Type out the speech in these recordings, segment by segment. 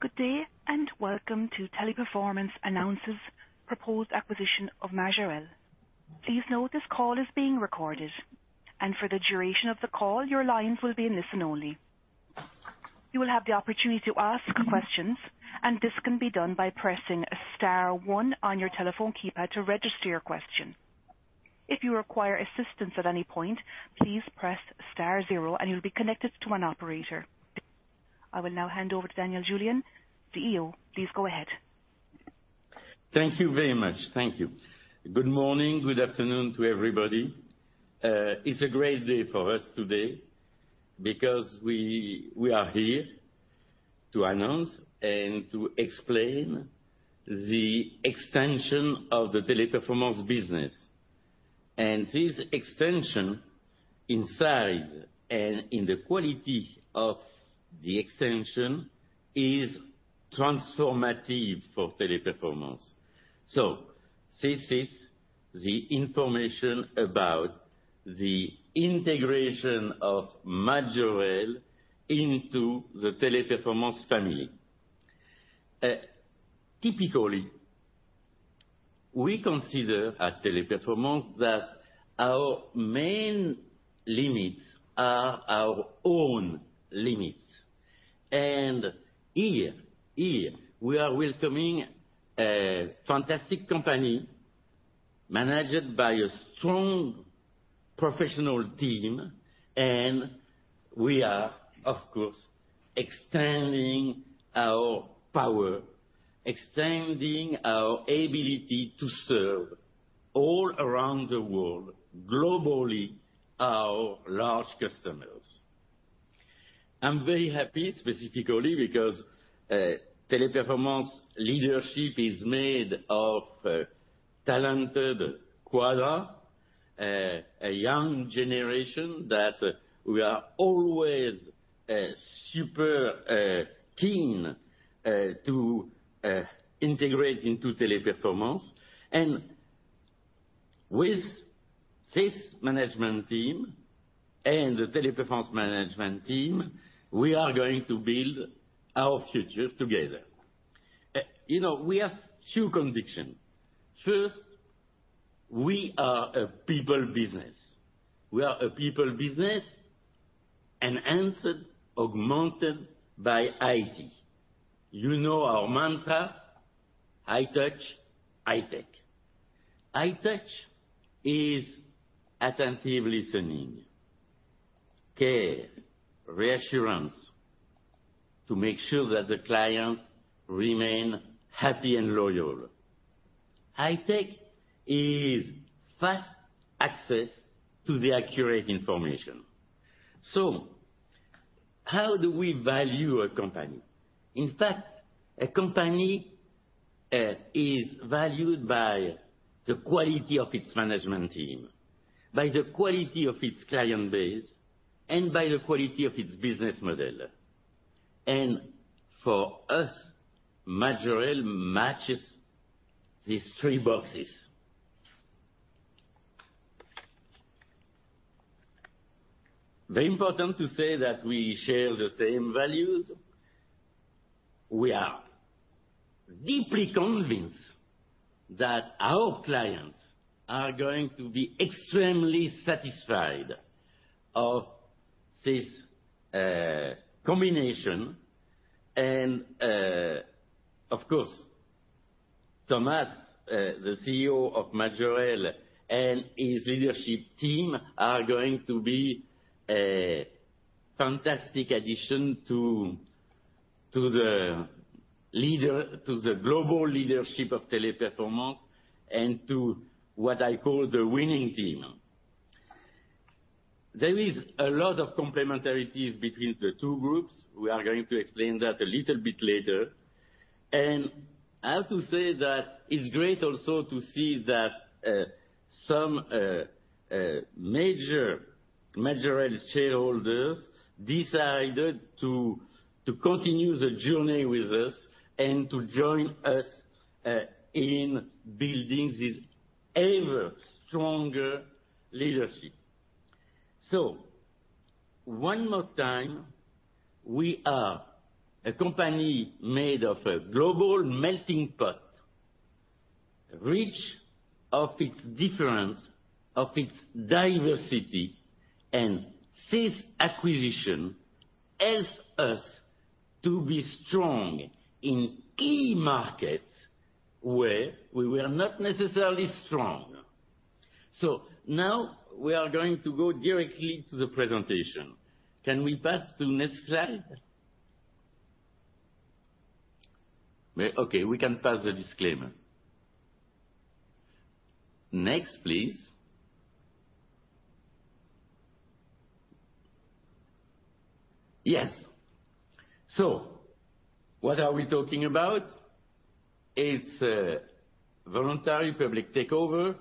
Good day. Welcome to Teleperformance Announces Proposed Acquisition of Majorel. Please note this call is being recorded, and for the duration of the call, your lines will be in listen-only. You will have the opportunity to ask questions, and this can be done by pressing star one on your telephone keypad to register your question. If you require assistance at any point, please press star zero and you'll be connected to an operator. I will now hand over to Daniel Julien, the CEO. Please go ahead. Thank you very much. Thank you. Good morning, good afternoon to everybody. It's a great day for us today because we are here to announce and to explain the extension of the Teleperformance business. This extension in size and in the quality of the extension is transformative for Teleperformance. This is the information about the integration of Majorel into the Teleperformance family. Typically, we consider at Teleperformance that our main limits are our own limits. Here we are welcoming a fantastic company managed by a strong professional team, and we are, of course, extending our power, extending our ability to serve all around the world globally, our large customers. I'm very happy specifically because Teleperformance leadership is made of talented quad, a young generation that we are always super keen to integrate into Teleperformance. With this management team and the Teleperformance management team, we are going to build our future together. you know, we have two conviction. First, we are a people business. We are a people business, enhanced, augmented by IT. You know our mantra: high touch, high tech. High touch is attentive listening, care, reassurance to make sure that the client remain happy and loyal. High tech is fast access to the accurate information. How do we value a company? In fact, a company is valued by the quality of its management team, by the quality of its client base, and by the quality of its business model. For us, Majorel matches these three boxes. Very important to say that we share the same values. We are deeply convinced that our clients are going to be extremely satisfied of this combination. Of course, Thomas, the CEO of Majorel and his leadership team are going to be a fantastic addition to the global leadership of Teleperformance and to what I call the winning team. There is a lot of complementarities between the two groups. We are going to explain that a little bit later. I have to say that it's great also to see that some major Majorel shareholders decided to continue the journey with us and to join us in building this ever-stronger leadership. One more time, we are a company made of a global melting pot, rich of its difference, of its diversity. This acquisition helps us to be strong in key markets where we were not necessarily strong. Now we are going to go directly to the presentation. Can we pass to next slide? Okay, we can pass the disclaimer. Next, please. Yes. What are we talking about? It's a voluntary public takeover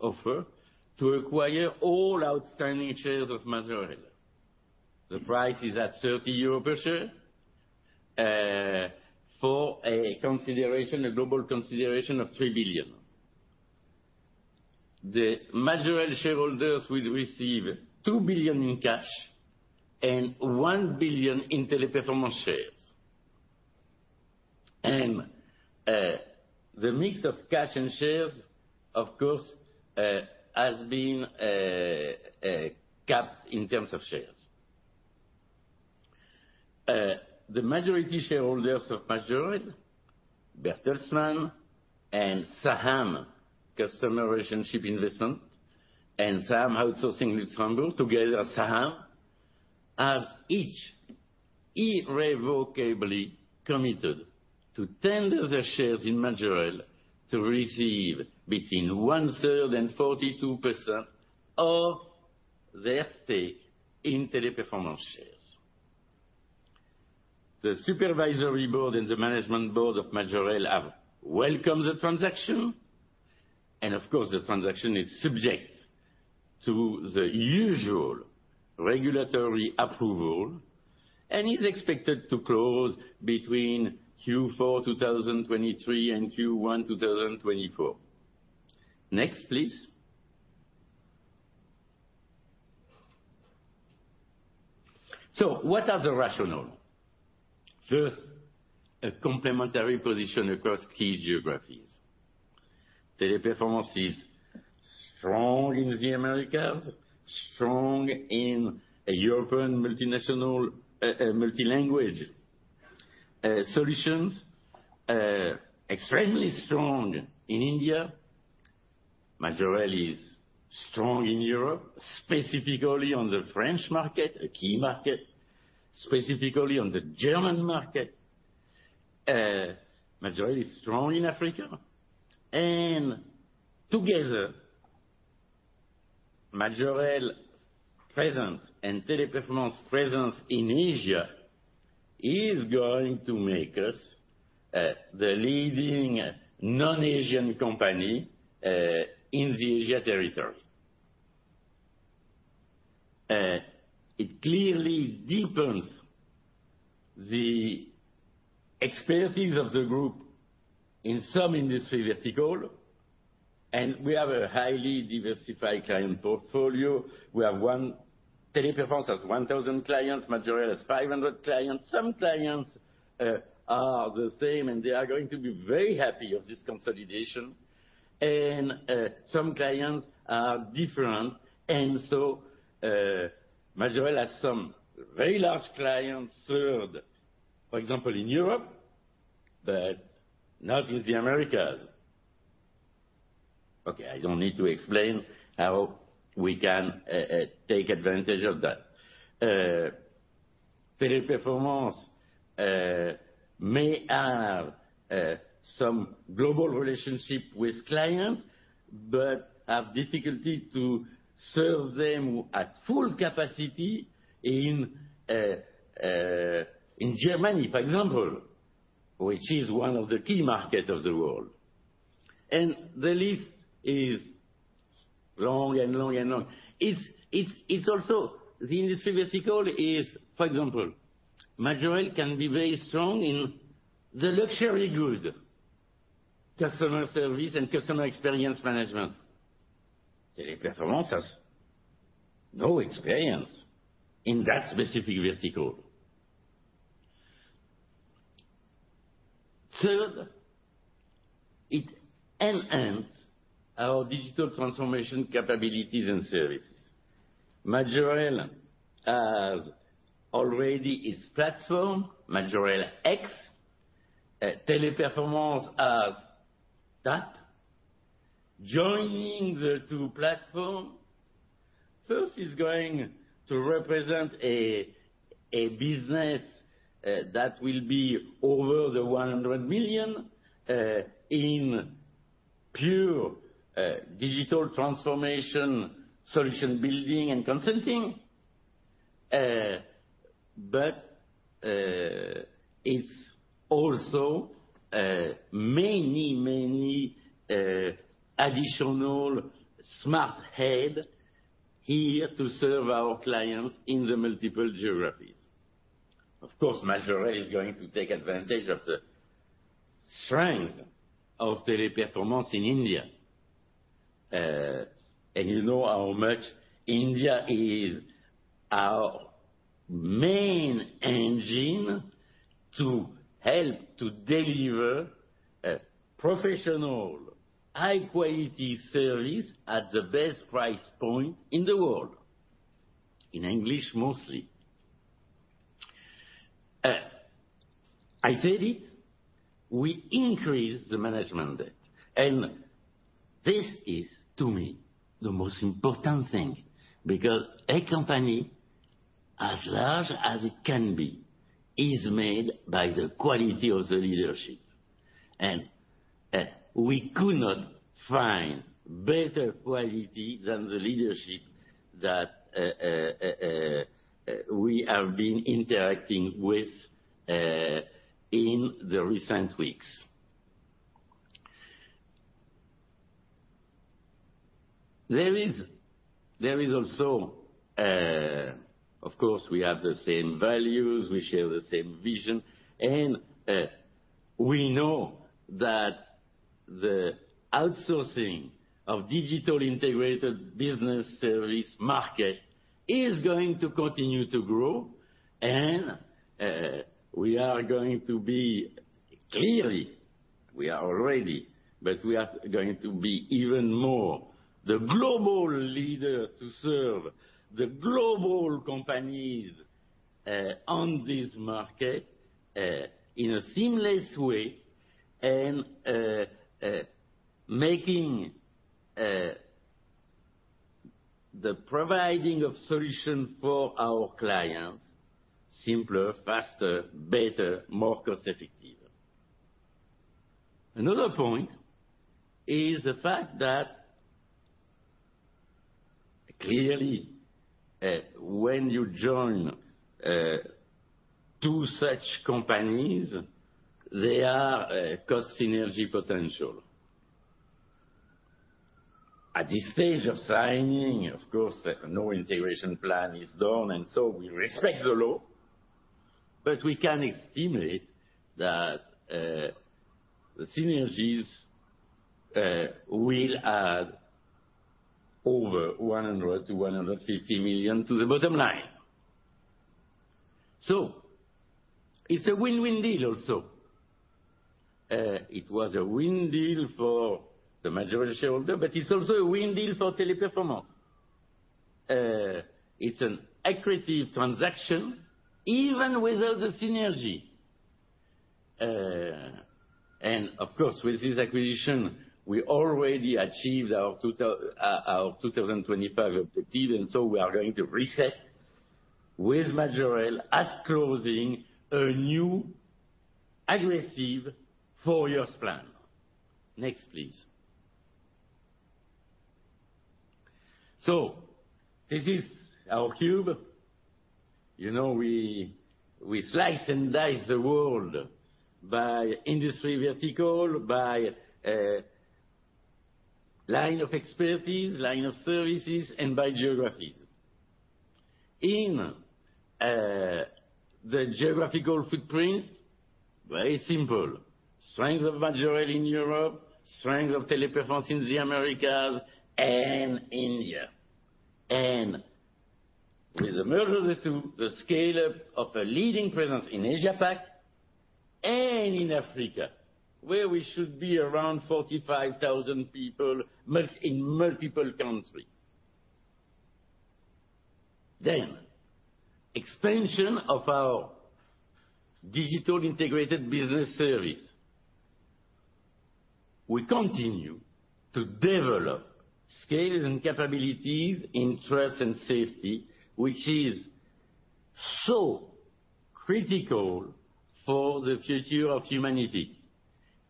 offer to acquire all outstanding shares of Majorel. The price is at 30 euro per share for a consideration, a global consideration of 3 billion. The Majorel shareholders will receive 2 billion in cash and 1 billion in Teleperformance shares. The mix of cash and shares, of course, has been capped in terms of shares. The majority shareholders of Majorel, Bertelsmann and Saham Customer Relationship Investment, and Saham Outsourcing Luxembourg, together Saham, have each irrevocably committed to tender their shares in Majorel to receive between 1/3 and 42% of their stake in Teleperformance shares. The supervisory board and the management board of Majorel have welcomed the transaction, of course, the transaction is subject to the usual regulatory approval and is expected to close between Q4 2023 and Q1 2024. Next, please. What are the rationale? First, a complementary position across key geographies. Teleperformance is strong in the Americas, strong in European multinational, multilanguage, solutions, extremely strong in India. Majorel is strong in Europe, specifically on the French market, a key market, specifically on the German market. Majorel is strong in Africa. Together, Majorel presence and Teleperformance presence in Asia is going to make us the leading non-Asian company in the Asia territory. It clearly deepens the expertise of the group in some industry vertical, and we have a highly diversified client portfolio. Teleperformance has 1,000 clients, Majorel has 500 clients. Some clients are the same, and they are going to be very happy of this consolidation. Some clients are different. Majorel has some very large clients served, for example, in Europe, but not in the Americas. Okay, I don't need to explain how we can take advantage of that. Teleperformance may have some global relationship with clients, but have difficulty to serve them at full capacity in Germany, for example, which is one of the key market of the world. The list is long and long and long. It's also the industry vertical is, for example, Majorel can be very strong in the luxury good customer service and customer experience management. Teleperformance has no experience in that specific vertical. Third, it enhance our digital transformation capabilities and services. Majorel has already its platform, Majorel X. Teleperformance has TAP. Joining the two platform first is going to represent a business that will be over 100 million in pure digital transformation solution building and consulting. It's also many additional smart head here to serve our clients in the multiple geographies. Of course, Majorel is going to take advantage of the strength of Teleperformance in India. You know how much India is our main engine to help to deliver a professional high-quality service at the best price point in the world, in English mostly. I said it, we increased the management debt. This is, to me, the most important thing, because a company as large as it can be is made by the quality of the leadership. We could not find better quality than the leadership that we have been interacting with in the recent weeks. There is also, of course, we have the same values, we share the same vision. We know that the outsourcing of digital integrated business service market is going to continue to grow. We are going to be. Clearly, we are already, but we are going to be even more the global leader to serve the global companies on this market in a seamless way and making the providing of solution for our clients simpler, faster, better, more cost-effective. Another point is the fact that, clearly, when you join two such companies, there are cost synergy potential. At this stage of signing, of course, no integration plan is done. We respect the law, but we can estimate that the synergies will add over 100 million-150 million to the bottom line. It's a win-win deal also. It was a win deal for the Majorel shareholder, but it's also a win deal for Teleperformance. It's an accretive transaction even without the synergy. And of course, with this acquisition, we already achieved our 2025 objective. We are going to reset with Majorel at closing a new aggressive four-years plan. Next, please. This is our cube. You know, we slice and dice the world by industry vertical, by line of expertise, line of services, and by geographies. In the geographical footprint, very simple. Strength of Majorel in Europe, strength of Teleperformance in the Americas and India. With the merger, the two will scale up of a leading presence in Asia Pac and in Africa, where we should be around 45,000 people in multiple country. Expansion of our digital integrated business service. We continue to develop scales and capabilities in trust and safety, which is so critical for the future of humanity.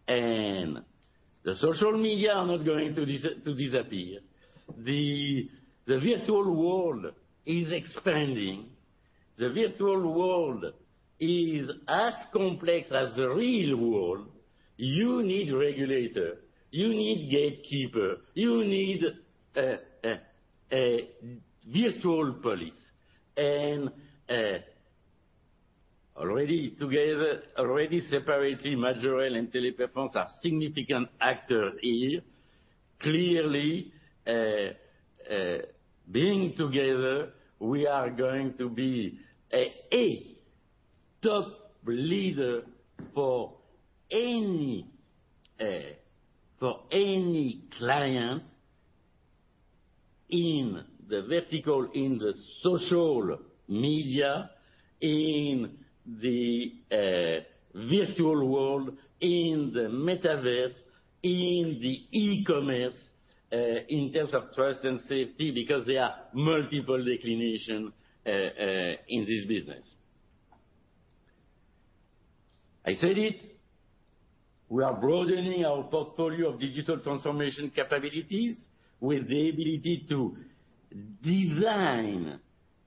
The social media are not going to disappear. The, the virtual world is expanding. The virtual world is as complex as the real world. You need regulator, you need gatekeeper, you need a, a virtual police. Already together, already separately, Majorel and Teleperformance are significant actor here. Clearly, being together, we are going to be a top leader for any, for any client in the vertical, in the social media, in the virtual world, in the metaverse, in the e-commerce, in terms of trust and safety, because there are multiple declination in this business. I said it, we are broadening our portfolio of digital transformation capabilities with the ability to design,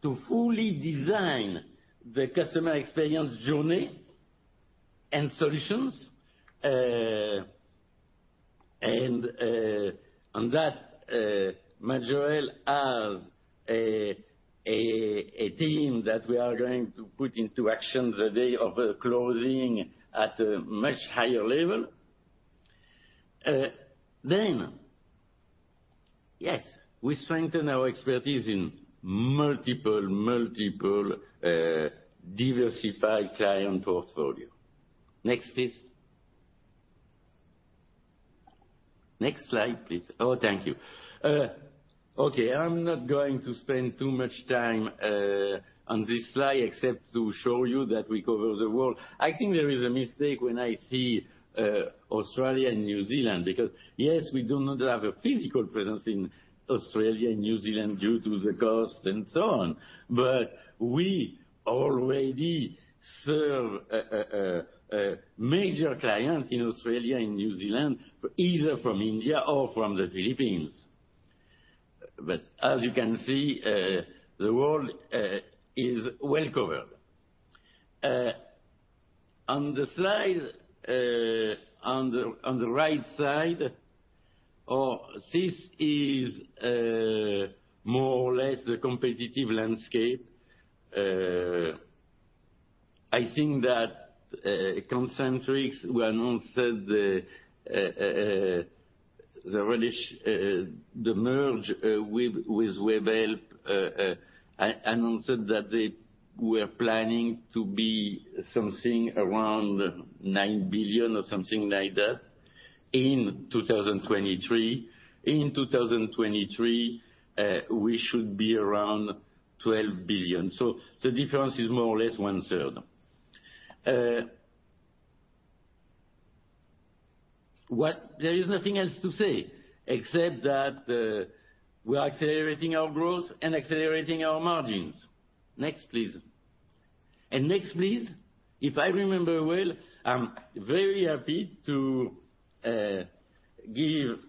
to fully design the customer experience journey and solutions. On that, Majorel has a team that we are going to put into action the day of closing at a much higher level. Yes, we strengthen our expertise in multiple diversified client portfolio. Next, please. Next slide, please. Oh, thank you. Okay, I'm not going to spend too much time on this slide except to show you that we cover the world. I think there is a mistake when I see Australia and New Zealand, because, yes, we do not have a physical presence in Australia and New Zealand due to the cost and so on, but we already serve a major client in Australia and New Zealand, either from India or from the Philippines. As you can see, the world is well covered. On the slide, on the right side, this is more or less the competitive landscape. I think that Concentrix announced the reddish, the merge with Webhelp, announced that they were planning to be something around $9 billion or something like that in 2023. 2023, we should be around $12 billion. The difference is more or less 1/3. There is nothing else to say except that we are accelerating our growth and accelerating our margins. Next, please. Next, please. If I remember well, I'm very happy to give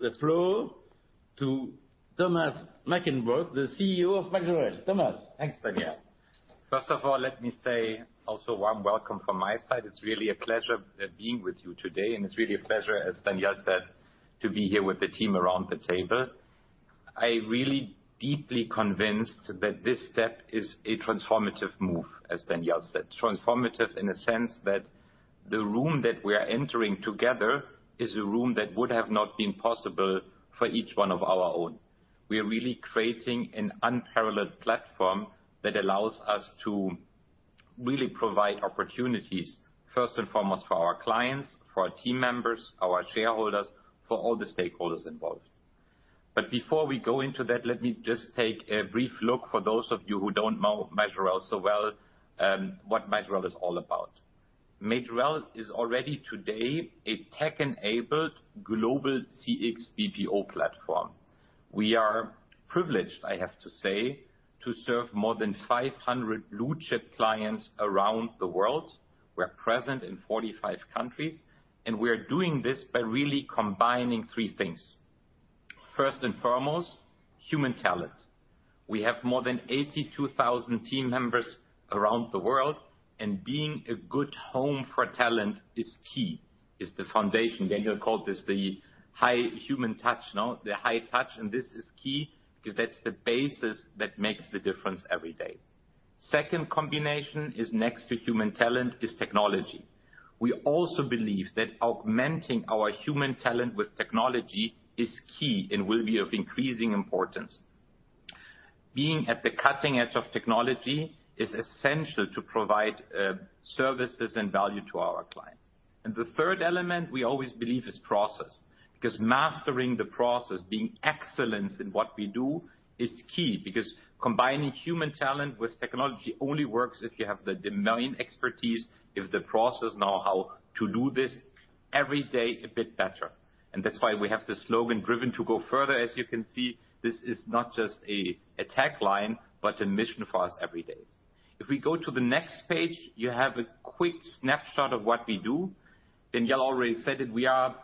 the floor to Thomas Mackenbrock, the CEO of Majorel. Thomas. Thanks, Daniel. First of all, let me say also warm welcome from my side. It's really a pleasure being with you today, and it's really a pleasure, as Daniel said, to be here with the team around the table. I really deeply convinced that this step is a transformative move, as Daniel said. Transformative in a sense that the room that we are entering together is a room that would have not been possible for each one of our own. We are really creating an unparalleled platform that allows us to really provide opportunities first and foremost for our clients, for our team members, our shareholders, for all the stakeholders involved. Before we go into that, let me just take a brief look for those of you who don't know Majorel so well, what Majorel is all about. Majorel is already today a tech-enabled global CX BPO platform. We are privileged, I have to say, to serve more than 500 blue-chip clients around the world. We're present in 45 countries. We are doing this by really combining three things. First and foremost, human talent. We have more than 82,000 team members around the world, and being a good home for talent is key, is the foundation. Daniel called this the high human touch. No? The high touch, and this is key because that's the basis that makes the difference every day. Second combination is next to human talent, is technology. We also believe that augmenting our human talent with technology is key and will be of increasing importance. Being at the cutting edge of technology is essential to provide services and value to our clients. The third element we always believe is process, because mastering the process, being excellent in what we do is key. Because combining human talent with technology only works if you have the domain expertise, if the process know-how to do this every day a bit better. That's why we have the slogan, "Driven to go further." As you can see, this is not just a tagline, but a mission for us every day. If we go to the next page, you have a quick snapshot of what we do. Daniel already said it, we are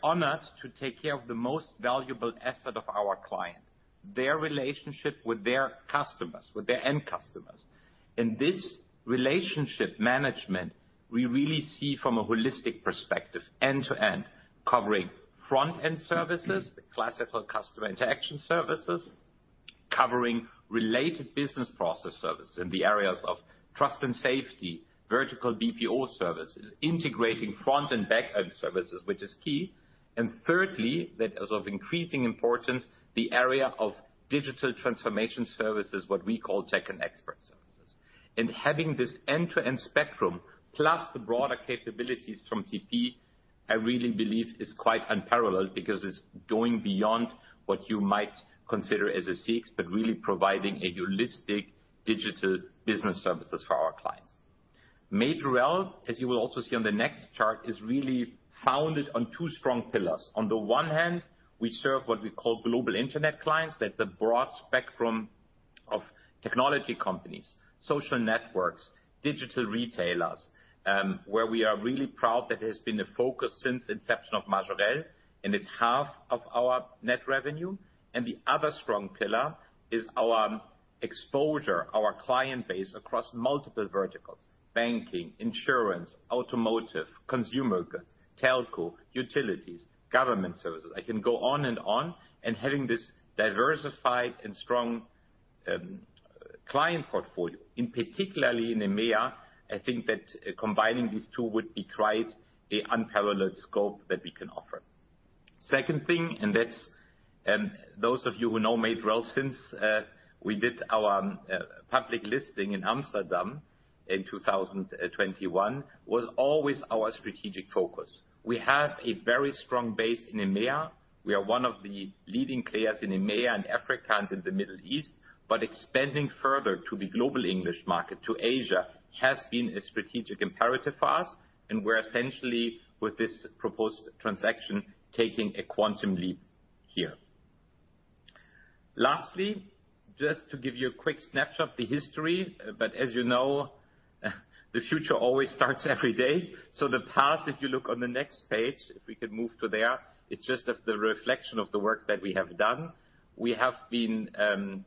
honored to take care of the most valuable asset of our client, their relationship with their customers, with their end customers. In this relationship management, we really see from a holistic perspective end-to-end covering front-end services, the classical customer interaction services, covering related business process services in the areas of trust and safety, vertical BPO services, integrating front and back-end services, which is key. Thirdly, that is of increasing importance, the area of digital transformation services, what we call tech and expert services. Having this end-to-end spectrum plus the broader capabilities from TP, I really believe is quite unparalleled because it's going beyond what you might consider as a CX, but really providing a holistic digital business services for our clients. Majorel, as you will also see on the next chart, is really founded on two strong pillars. On the one hand, we serve what we call global internet clients. That's a broad spectrum of technology companies, social networks, digital retailers, where we are really proud that it has been a focus since inception of Majorel, and it's half of our net revenue. The other strong pillar is our exposure, our client base across multiple verticals: banking, insurance, automotive, consumer goods, telco, utilities, government services. I can go on and on. Having this diversified and strong client portfolio, in particular in EMEA, I think that combining these two would be quite an unparalleled scope that we can offer. Second thing, and that's, those of you who know Majorel, since we did our public listing in Amsterdam in 2021 was always our strategic focus. We have a very strong base in EMEA. We are one of the leading players in EMEA and Africa and in the Middle East. Expanding further to the global English market, to Asia, has been a strategic imperative for us, and we're essentially, with this proposed transaction, taking a quantum leap here. Lastly, just to give you a quick snapshot, the history, as you know, the future always starts every day. The past, if you look on the next page, if we could move to there, it's just the reflection of the work that we have done. We have been.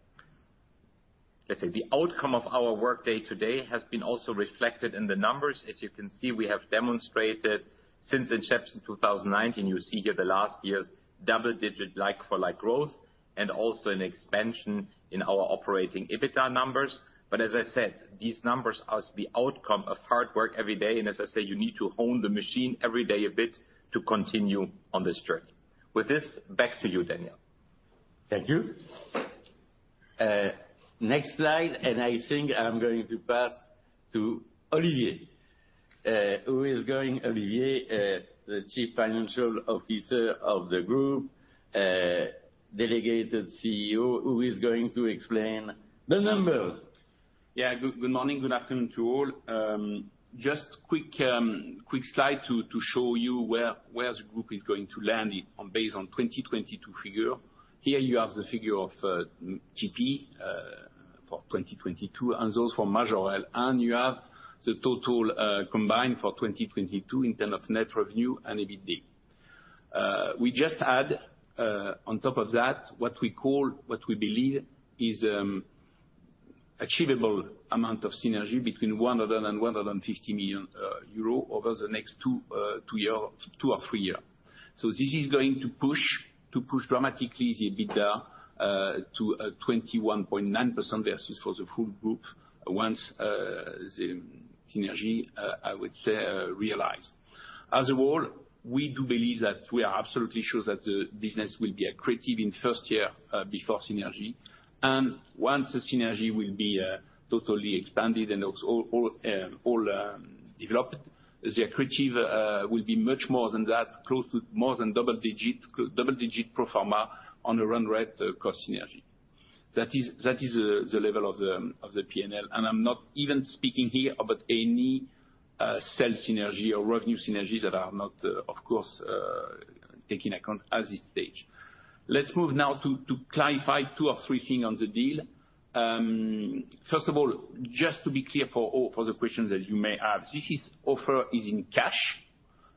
Let's say the outcome of our work day to day has been also reflected in the numbers. As you can see, we have demonstrated since inception 2019, you see here the last year's double digit like-for-like growth and also an expansion in our operating EBITDA numbers. As I said, these numbers are the outcome of hard work every day. As I say, you need to hone the machine every day a bit to continue on this journey. With this, back to you, Daniel. Thank you. Next slide. I think I'm going to pass to Olivier, the Chief Financial Officer of the group, delegated CEO, who is going to explain the numbers. Yeah. Good morning, good afternoon to all. just quick slide to show you where the group is going to land on, based on 2022 figure. Here you have the figure of TP for 2022 and those for Majorel, and you have the total combined for 2022 in term of net revenue and EBITDA. We just add on top of that what we call, what we believe is, achievable amount of synergy between 100 million-150 million euro over the next two year, two or three year. This is going to push dramatically the EBITDA to a 21.9% versus for the full group once the synergy I would say, realized. As a whole, we do believe that we are absolutely sure that the business will be accretive in first year before synergy. Once the synergy will be totally expanded and also all developed, the accretive will be much more than that, close to more than double digits, double-digit pro forma on a run rate cost synergy. That is the level of the P&L. I'm not even speaking here about any sales synergy or revenue synergies that are not, of course, taking account at this stage. Let's move now to clarify two or three things on the deal. First of all, just to be clear for all, for the questions that you may have, this is offer is in cash.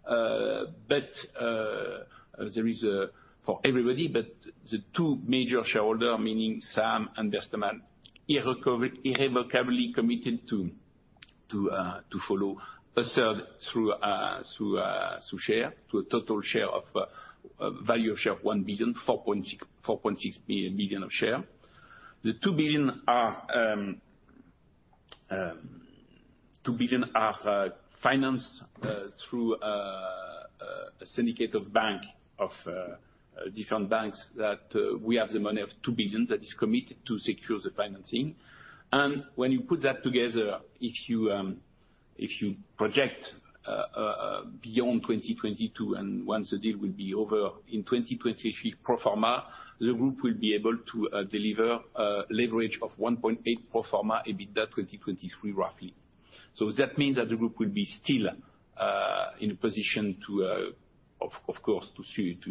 There is a... For everybody, but the two major shareholder, meaning Saham and Bertelsmann, irrevocably committed to follow a third through share, to a total share of value of 1 billion, 4.6 million of share. The EUR 2 billion are financed through a syndicate of different banks that we have the money of 2 billion that is committed to secure the financing. When you put that together, if you project beyond 2022 and once the deal will be over in 2023 pro forma, the group will be able to deliver leverage of 1.8 pro forma EBITDA 2023 roughly. That means that the group will be still in a position to of course, to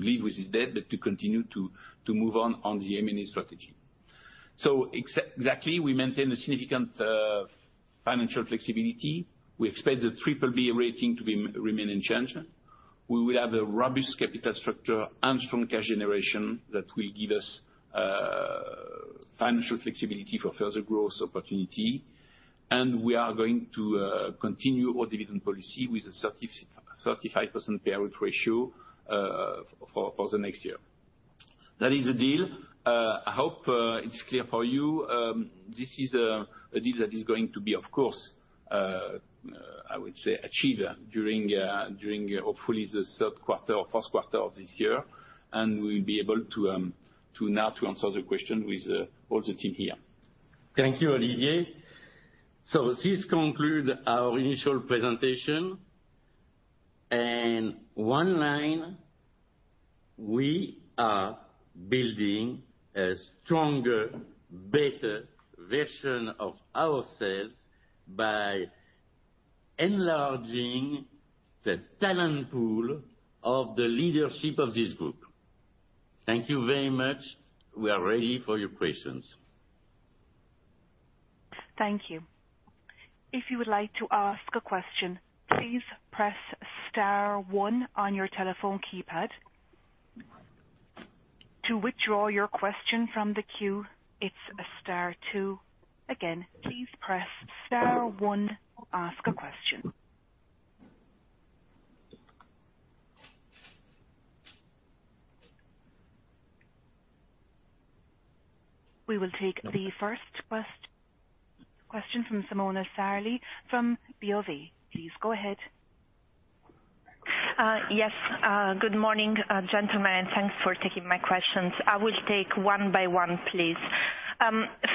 live with this debt, but to continue to move on the M&A strategy. Exactly, we maintain a significant financial flexibility. We expect the BBB rating to remain unchanged. We will have a robust capital structure and strong cash generation that will give us financial flexibility for further growth opportunity. We are going to continue our dividend policy with a 35% payout ratio for the next year. That is the deal. I hope it's clear for you. This is a deal that is going to be, of course, I would say achieved during hopefully the third quarter or first quarter of this year, and we'll be able to now to answer the question with, all the team here. Thank you, Olivier. This conclude our initial presentation. One line, we are building a stronger, better version of ourselves by enlarging the talent pool of the leadership of this group. Thank you very much. We are ready for your questions. Thank you. If you would like to ask a question, please press star one on your telephone keypad. To withdraw your question from the queue, it's a star two. Again, please press star one to ask a question. We will take the first question from Simona Sarli from BofA. Please go ahead. Yes, good morning, gentlemen, thanks for taking my questions. I will take one by one, please.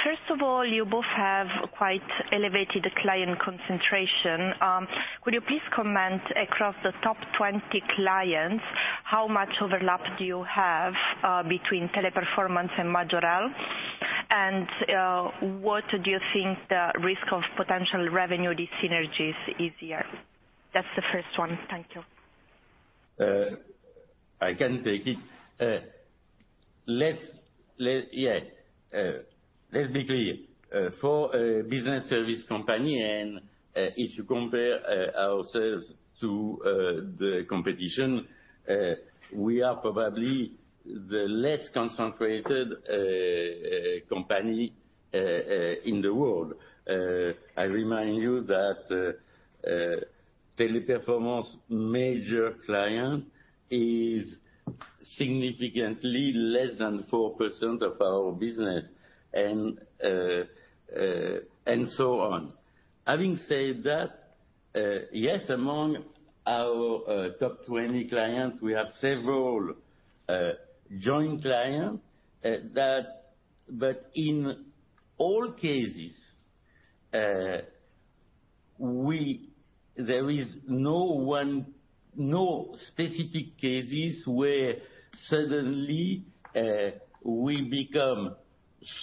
First of all, you both have quite elevated client concentration. Would you please comment across the top 20 clients, how much overlap do you have between Teleperformance and Majorel? What do you think the risk of potential revenue, these synergies is here? That's the first one. Thank you. I can take it. Let's, yeah. Let's be clear. For a business service company, if you compare ourselves to the competition, we are probably the less concentrated company in the world. I remind you that Teleperformance major client is significantly less than 4% of our business and so on. Having said that, yes, among our top 20 clients, we have several joint clients. In all cases, there is no one, no specific cases where suddenly we become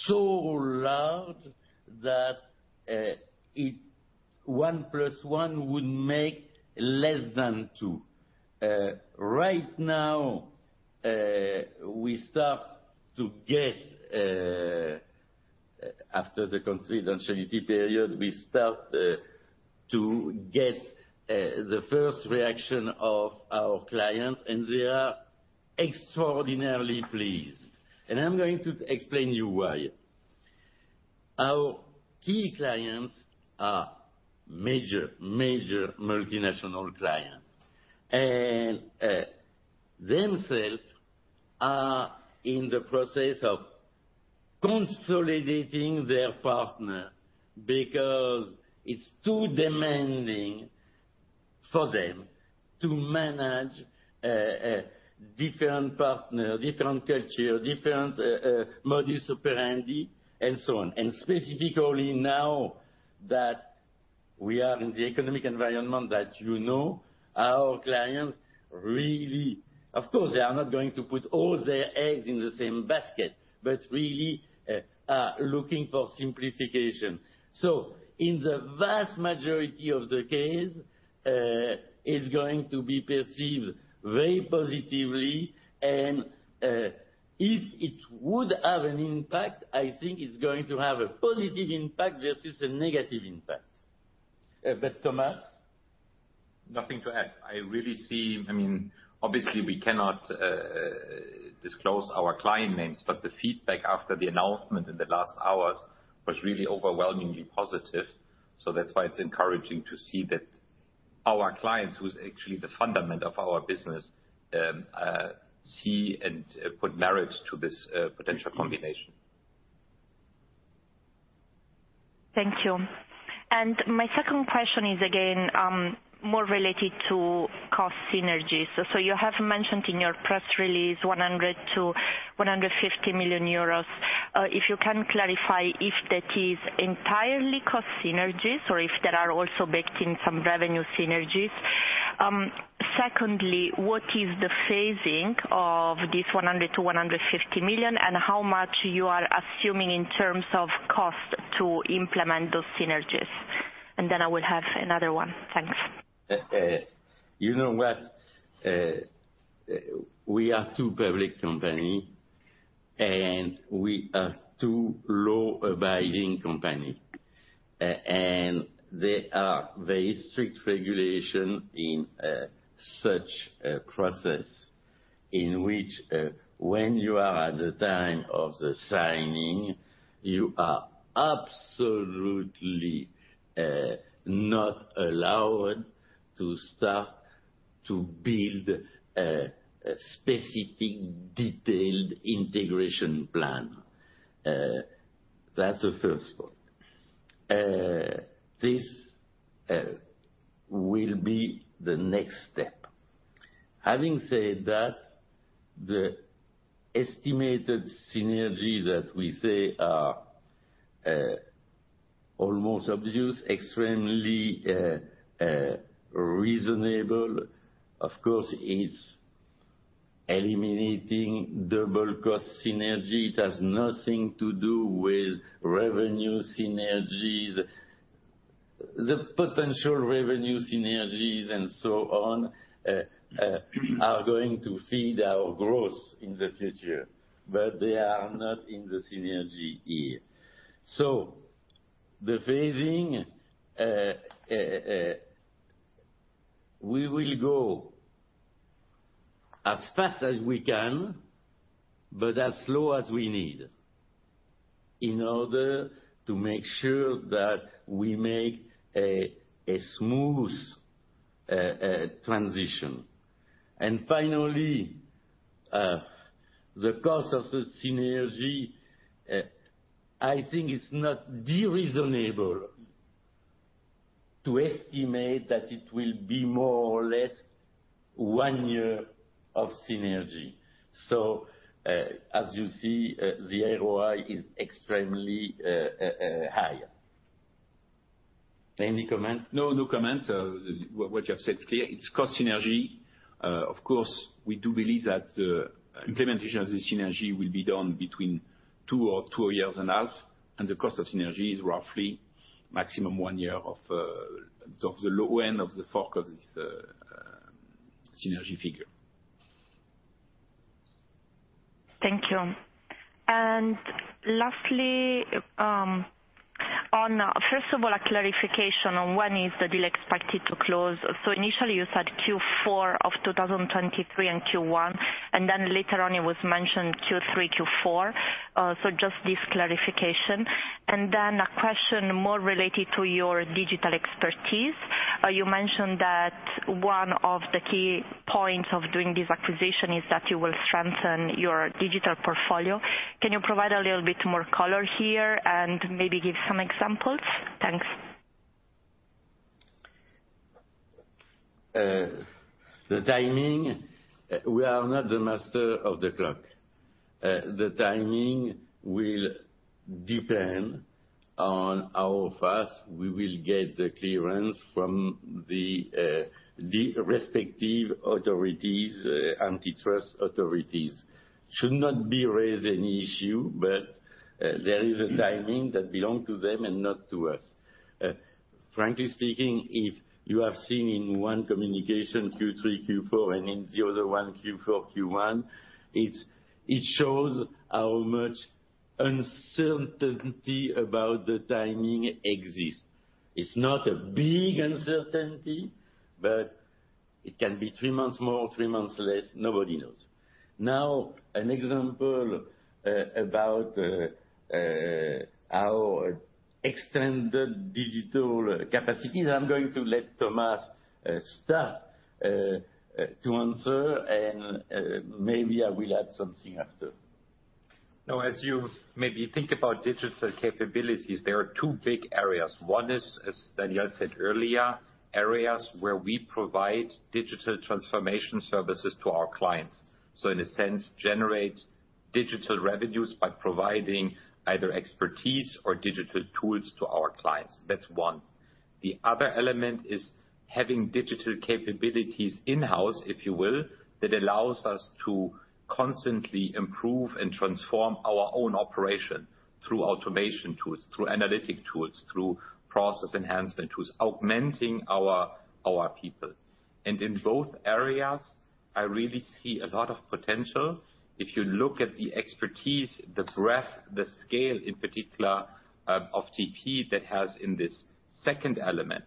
so large that 1+1 would make less than 2. Right now, we start to get, after the confidentiality period, we start to get the first reaction of our clients, and they are extraordinarily pleased. I'm going to explain to you why. Our key clients are major multinational clients. Themselves are in the process of consolidating their partner because it's too demanding for them to manage a different partner, different culture, different modus operandi and so on. Specifically now that we are in the economic environment that you know, our clients really. Of course, they are not going to put all their eggs in the same basket, but really are looking for simplification. In the vast majority of the case, it's going to be perceived very positively. If it would have an impact, I think it's going to have a positive impact versus a negative impact. But Thomas. Nothing to add. I mean, obviously, we cannot disclose our client names, the feedback after the announcement in the last hours was really overwhelmingly positive. That's why it's encouraging to see that our clients, who's actually the fundament of our business, see and put merits to this potential combination. Thank you. My second question is, again, more related to cost synergies. You have mentioned in your press release 100 million-150 million euros. If you can clarify if that is entirely cost synergies or if there are also baked in some revenue synergies. Secondly, what is the phasing of this 100 million-150 million, and how much you are assuming in terms of cost to implement those synergies? Then I will have another one. Thanks. You know what? We are two public company, and we are two law-abiding company, and there are very strict regulation in such process in which, when you are at the time of the signing, you are absolutely not allowed to start to build a specific detailed integration plan. That's the first point. This will be the next step. Having said that, the estimated synergy that we say are almost obvious, extremely reasonable. Of course, it's eliminating double cost synergy. It has nothing to do with revenue synergies. The potential revenue synergies and so on, are going to feed our growth in the future, but they are not in the synergy here. The phasing, we will go as fast as we can, but as slow as we need in order to make sure that we make a smooth transition. Finally, the cost of the synergy, I think it's not reasonable to estimate that it will be more or less one year of synergy. As you see, the ROI is extremely high. Any comment? No, no comment. What you have said is clear. It's cost synergy. Of course, we do believe that the implementation of the synergy will be done between two or two years and a half, and the cost of synergy is roughly maximum one year of the low end of the fork of this synergy figure. Thank you. Lastly, On, first of all, a clarification on when is the deal expected to close? Initially you said Q4 of 2023 and Q1, later on it was mentioned Q3, Q4. Just this clarification. A question more related to your digital expertise. You mentioned that one of the key points of doing this acquisition is that you will strengthen your digital portfolio. Can you provide a little bit more color here and maybe give some examples? Thanks. The timing, we are not the master of the clock. The timing will depend on how fast we will get the clearance from the respective authorities, antitrust authorities. Should not be raising issue, but there is a timing that belong to them and not to us. Frankly speaking, if you have seen in one communication Q3, Q4, and in the other one Q4, Q1, it shows how much uncertainty about the timing exists. It's not a big uncertainty, but it can be three months more, three months less, nobody knows. Now, an example about our extended digital capacities, I'm going to let Thomas start to answer and maybe I will add something after. As you maybe think about digital capabilities, there are two big areas. One is, as Daniel said earlier, areas where we provide digital transformation services to our clients. In a sense, generate digital revenues by providing either expertise or digital tools to our clients. That's one. The other element is having digital capabilities in-house, if you will, that allows us to constantly improve and transform our own operation through automation tools, through analytic tools, through process enhancement tools, augmenting our people. In both areas, I really see a lot of potential. If you look at the expertise, the breadth, the scale in particular, of TP that has in this second element,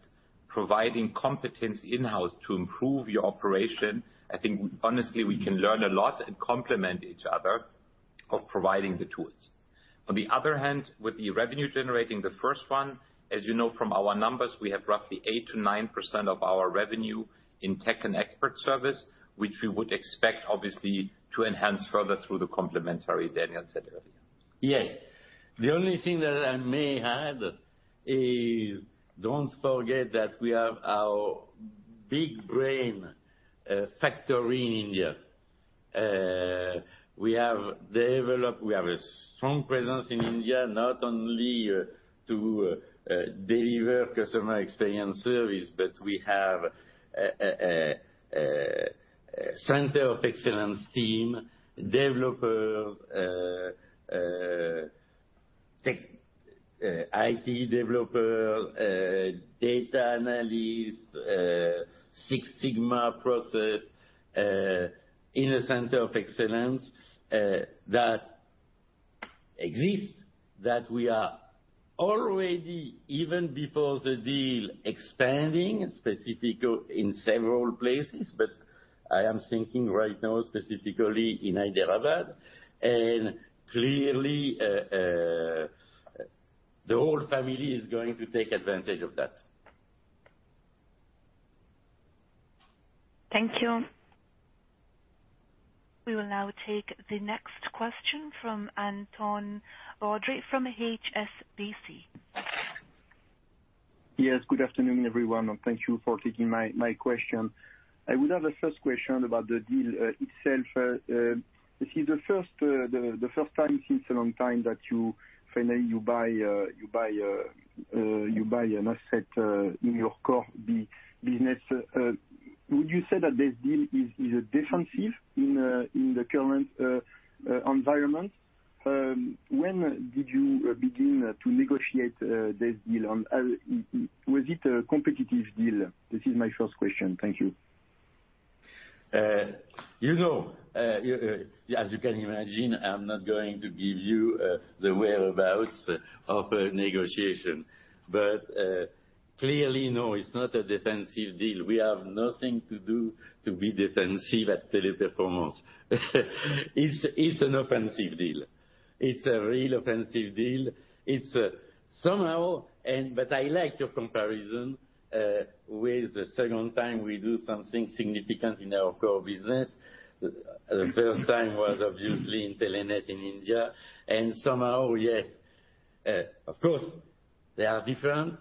providing competence in-house to improve your operation, I think honestly, we can learn a lot and complement each other of providing the tools. On the other hand, with the revenue generating the first one, as you know from our numbers, we have roughly 8%-9% of our revenue in tech and expert service, which we would expect, obviously, to enhance further through the complementary Daniel said earlier. Yes. The only thing that I may add is don't forget that we have our big brain factory in India. We have a strong presence in India, not only to deliver customer experience service, but we have a center of excellence team, developers, tech, IT developer, data analyst, Six Sigma process, in a center of excellence that exists. We are already, even before the deal, expanding specific in several places, but I am thinking right now specifically in Hyderabad. Clearly, the whole family is going to take advantage of that. Thank you. We will now take the next question from Antonin Baudry from HSBC. Yes, good afternoon, everyone, and thank you for taking my question. I would have a first question about the deal itself. This is the first time since a long time that you finally you buy an asset in your core business. Would you say that this deal is a defensive in the current environment? When did you begin to negotiate this deal? Was it a competitive deal? This is my first question. Thank you. You know as you can imagine, I'm not going to give you the whereabouts of negotiation. Clearly, no, it's not a defensive deal. We have nothing to do to be defensive at Teleperformance. It's an offensive deal. It's a real offensive deal. Somehow...but I like your comparison. Where the second time we do something significant in our core business. The first time was obviously Intelenet in India. And somehow, yes, of course they are different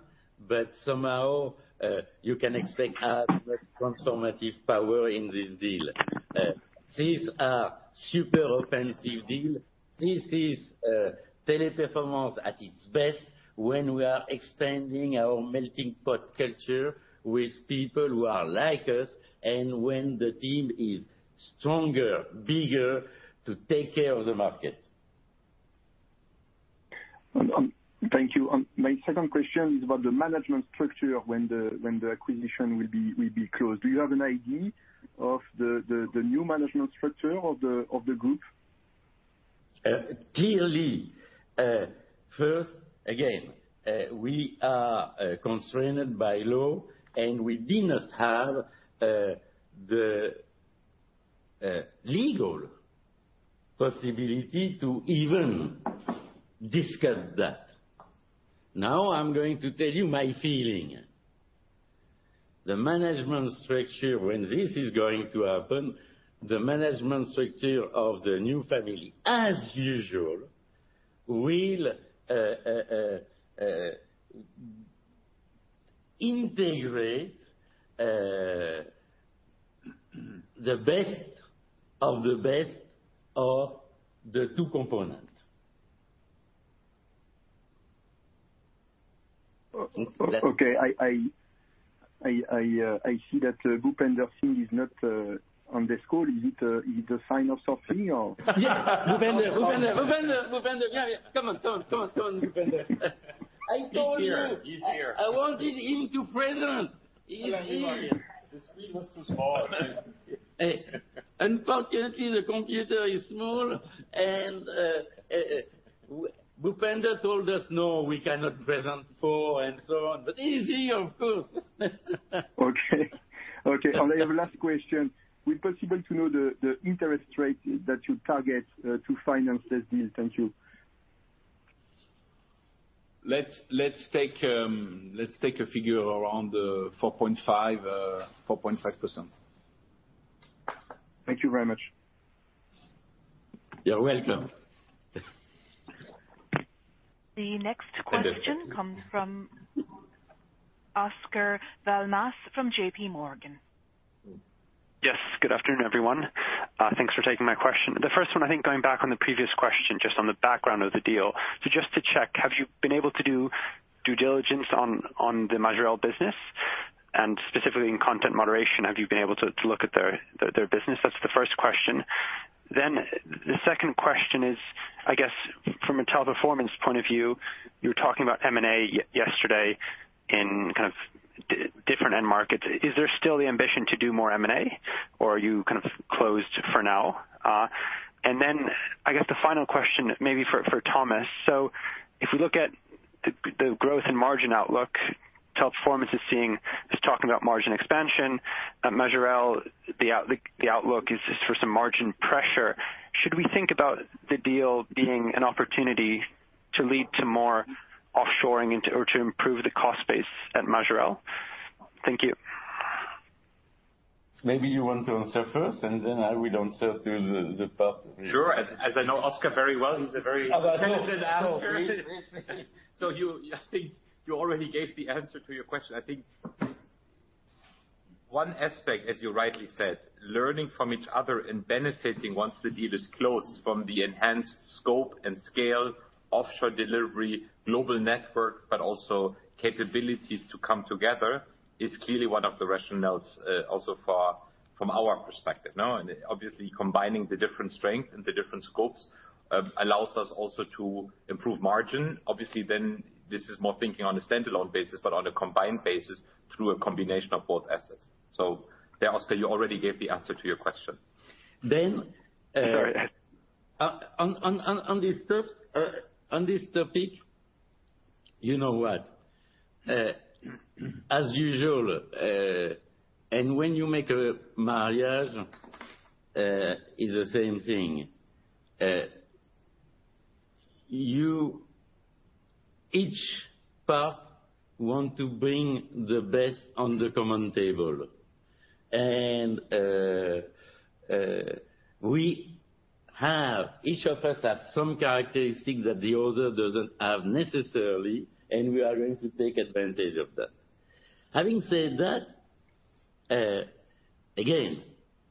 but somehow you can expect us confirmative power in this deal. It's a super offensive deal. Teleperformance at its best when we are extending our with people who are like us and when the team is stronger and bigger to take care of the market. Thank you. My second question is about the management structure when the acquisition will be closed. Do you have an idea of the new management structure of the group? Clearly, first, again, we are constrained by law. We do not have the legal possibility to even discuss that. Now, I'm going to tell you my feeling. The management structure, when this is going to happen, the management structure of the new family, as usual, will integrate the best of the best of the two components. Okay. I see that Bhupender Singh is not on this call. Is it a sign of something or? Yes. Bhupender. Bhupender. Bhupender. Bhupender. Yeah, yeah. Come on. Come on. Come on. Come on, Bhupender. He's here. He's here. I told you. I wanted him to present. He's here. The screen was too small. Unfortunately, the computer is small, and Bhupender told us, "No, we cannot present four," and so on. He's here, of course. Okay. Okay. I have a last question. Will it be possible to know the interest rate that you target to finance this deal? Thank you. Let's take a figure around, 4.5%, 4.5%. Thank you very much. You're welcome. The next question comes from Oscar Val Mas from JPMorgan. Yes. Good afternoon, everyone. Thanks for taking my question. The first one, I think going back on the previous question, just on the background of the deal. Just to check, have you been able to do due diligence on the Majorel business? Specifically in content moderation, have you been able to look at their business? That's the first question. The second question is, I guess, from a Teleperformance point of view, you were talking about M&A yesterday in kind of different end markets. Is there still the ambition to do more M&A, or are you kind of closed for now? I guess the final question may be for Thomas. If we look at the growth and margin outlook, Teleperformance is talking about margin expansion. At Majorel, the outlook is for some margin pressure. Should we think about the deal being an opportunity to lead to more offshoring into or to improve the cost base at Majorel? Thank you. Maybe you want to answer first, and then I will answer to the part. Sure. As I know Oscar very well, he's a very sensitive answer. Please, please. I think you already gave the answer to your question. I think one aspect, as you rightly said, learning from each other and benefiting once the deal is closed from the enhanced scope and scale, offshore delivery, global network, but also capabilities to come together is clearly one of the rationales, also far from our perspective, no? Obviously, combining the different strengths and the different scopes, allows us also to improve margin. Obviously, then this is more thinking on a standalone basis, but on a combined basis through a combination of both assets. Yeah, Oscar, you already gave the answer to your question. Then, uh- Sorry. On this third, on this topic, you know what? As usual, when you make a marriage, is the same thing. Each part want to bring the best on the common table. Each of us have some characteristics that the other doesn't have necessarily, and we are going to take advantage of that. Having said that, again,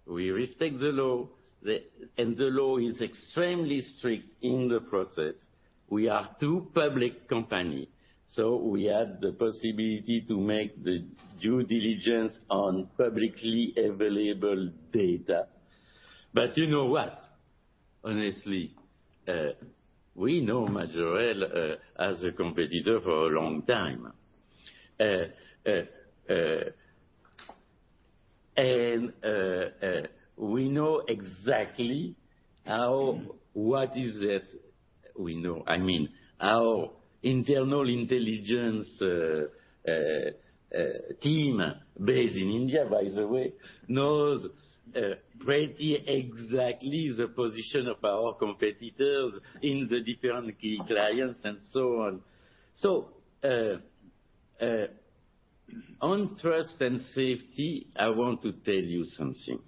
we respect the law, the... The law is extremely strict in the process. We are two public companies, so we had the possibility to make the due diligence on publicly available data. You know what? Honestly, we know Majorel as a competitor for a long time. We know exactly what is it we know. I mean, our internal intelligence team based in India, by the way, knows pretty exactly the position of our competitors in the different key clients and so on. On trust and safety, I want to tell you something.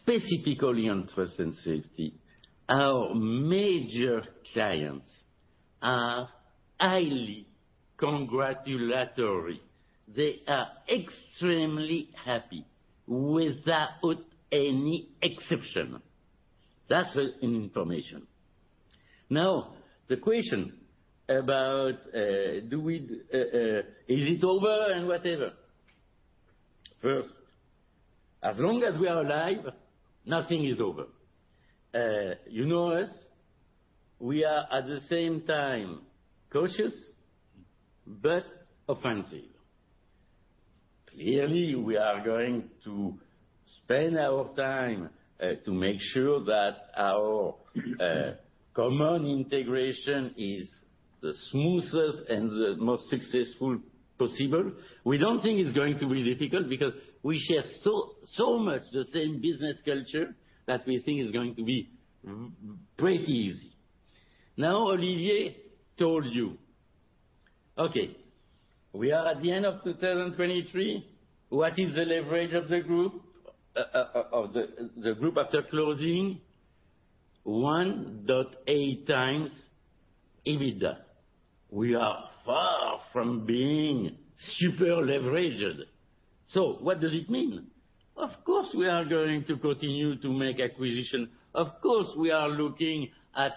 Specifically on trust and safety, our major clients are highly congratulatory. They are extremely happy without any exception. That's an information. Now, the question about, Is it over and whatever? First, as long as we are alive, nothing is over. You know us, we are at the same time cautious-but offensive. Clearly, we are going to spend our time to make sure that our common integration is the smoothest and the most successful possible. We don't think it's going to be difficult because we share so much the same business culture that we think it's going to be very easy. Olivier told you, okay, we are at the end of 2023. What is the leverage of the group after closing? 1.8x EBITDA. We are far from being super leveraged. What does it mean? Of course, we are going to continue to make acquisition. Of course, we are looking at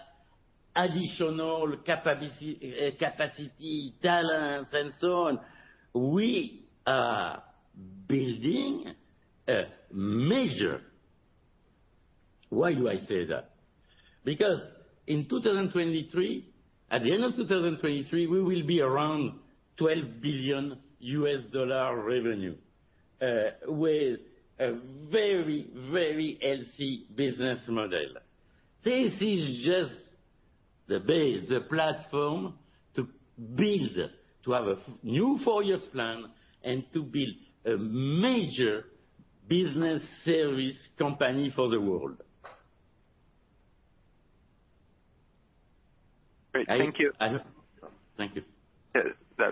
additional capacity, talents and so on. We are building a major... Why do I say that? In 2023, at the end of 2023, we will be around $12 billion revenue with a very healthy business model. This is just the base, the platform to build, to have a new four-years plan and to build a major business service company for the world. Great. Thank you. I hope. Thank you. Yeah.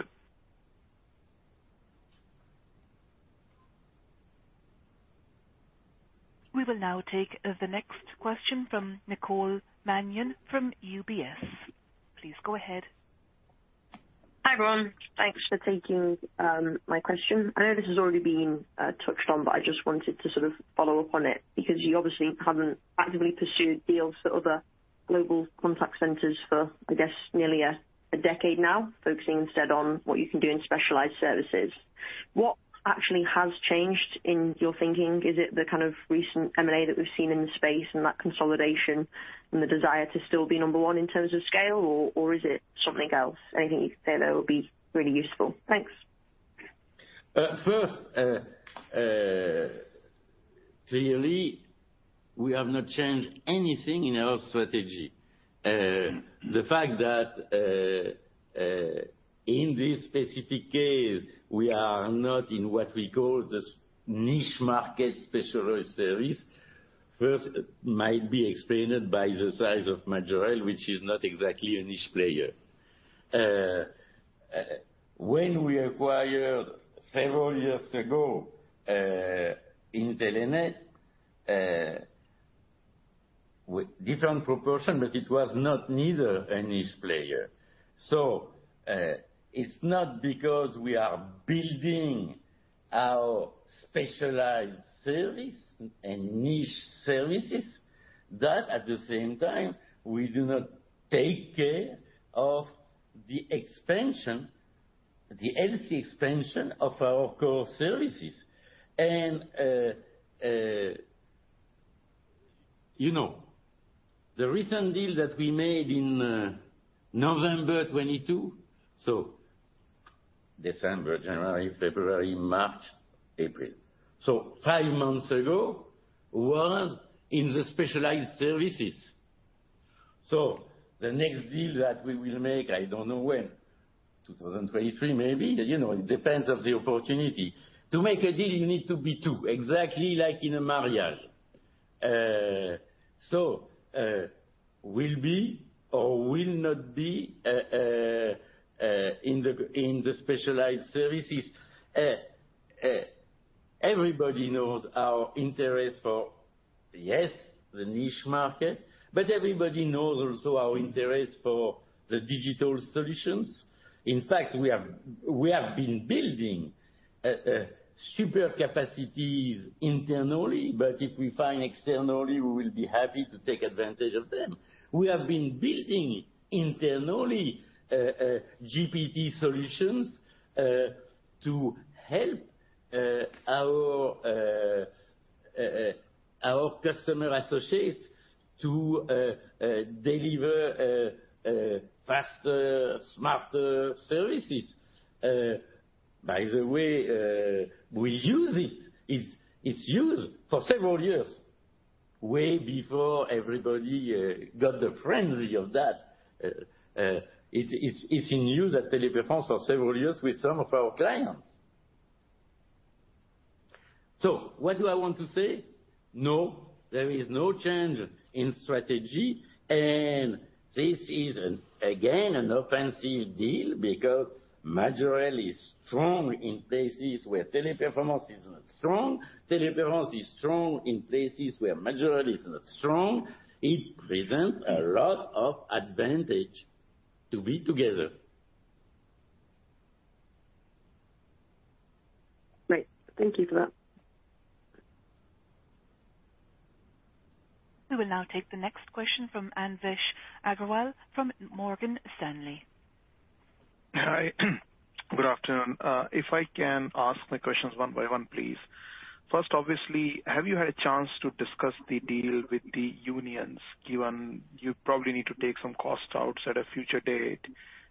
We will now take the next question from Nicole Manion from UBS. Please go ahead. Hi, everyone. Thanks for taking my question. I know this has already been touched on, but I just wanted to sort of follow up on it, because you obviously haven't actively pursued deals for other global contact centers for, I guess, nearly a decade now, focusing instead on what you can do in specialized services. What actually has changed in your thinking? Is it the kind of recent M&A that we've seen in the space and that consolidation and the desire to still be number one in terms of scale, or is it something else? Anything you could say there would be really useful. Thanks. First, clearly, we have not changed anything in our strategy. The fact that, in this specific case, we are not in what we call this niche market specialist service, first might be explained by the size of Majorel, which is not exactly a niche player. When we acquired several years ago, Intelenet, with different proportion, but it was not neither a niche player. It's not because we are building our specialized service and niche services that at the same time we do not take care of the expansion, the healthy expansion of our core services. You know, the recent deal that we made in November 2022, so December, January, February, March, April. Five months ago was in the specialized services. The next deal that we will make, I don't know when, 2023 maybe, you know, it depends on the opportunity. To make a deal, you need to be two, exactly like in a marriage. So, will be or will not be in the specialized services. Everybody knows our interest for, yes, the niche market, but everybody knows also our interest for the digital solutions. In fact, we have, we have been building super capacities internally, but if we find externally, we will be happy to take advantage of them. We have been building internally GPT solutions to help our customer associates to deliver faster, smarter services. By the way, we use it. It's used for several years, way before everybody got the frenzy of that. It's in use at Teleperformance for several years with some of our clients. What do I want to say? No, there is no change in strategy. This is again an offensive deal because Majorel is strong in places where Teleperformance is not strong. Teleperformance is strong in places where Majorel is not strong. It presents a lot of advantage to be together. Great. Thank you for that. We will now take the next question from Anvesh Agrawal from Morgan Stanley. Hi. Good afternoon. If I can ask my questions one by one, please. First, obviously, have you had a chance to discuss the deal with the unions, given you probably need to take some costs out at a future date,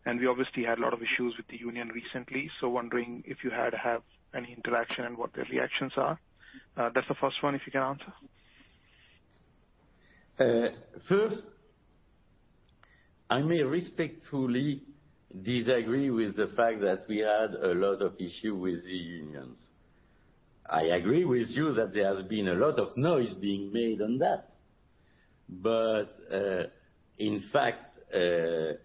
and we obviously had a lot of issues with the union recently. Wondering if you had to have any interaction and what their reactions are. That's the first one, if you can answer? First, I may respectfully disagree with the fact that we had a lot of issue with the unions. I agree with you that there has been a lot of noise being made on that. In fact, there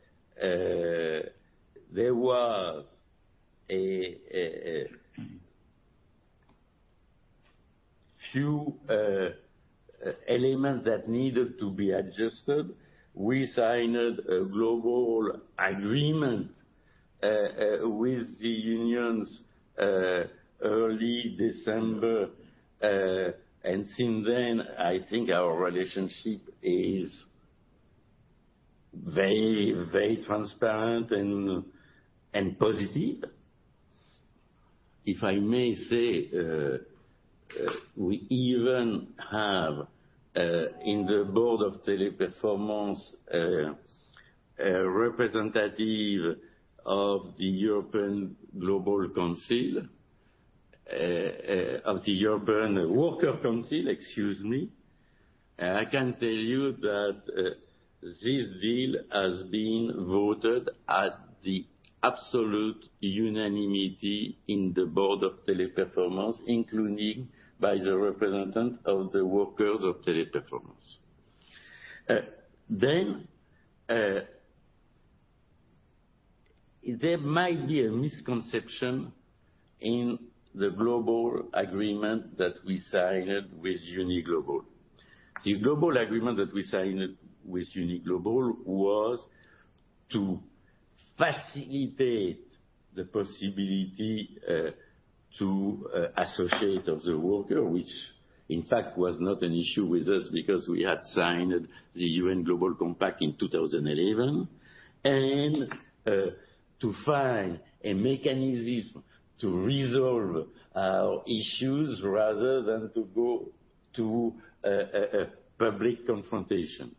was a few elements that needed to be adjusted. We signed a global agreement with the unions early December. Since then, I think our relationship is very, very transparent and positive. If I may say, we even have in the board of Teleperformance a representative of the European Worker Council, excuse me. I can tell you that this deal has been voted at the absolute unanimity in the board of Teleperformance, including by the representative of the workers of Teleperformance. There might be a misconception in the global agreement that we signed with UNI Global. The global agreement that we signed with UNI Global was to facilitate the possibility to associate of the worker, which in fact was not an issue with us because we had signed the UN Global Compact in 2011. To find a mechanism to resolve our issues rather than to go to a public confrontation.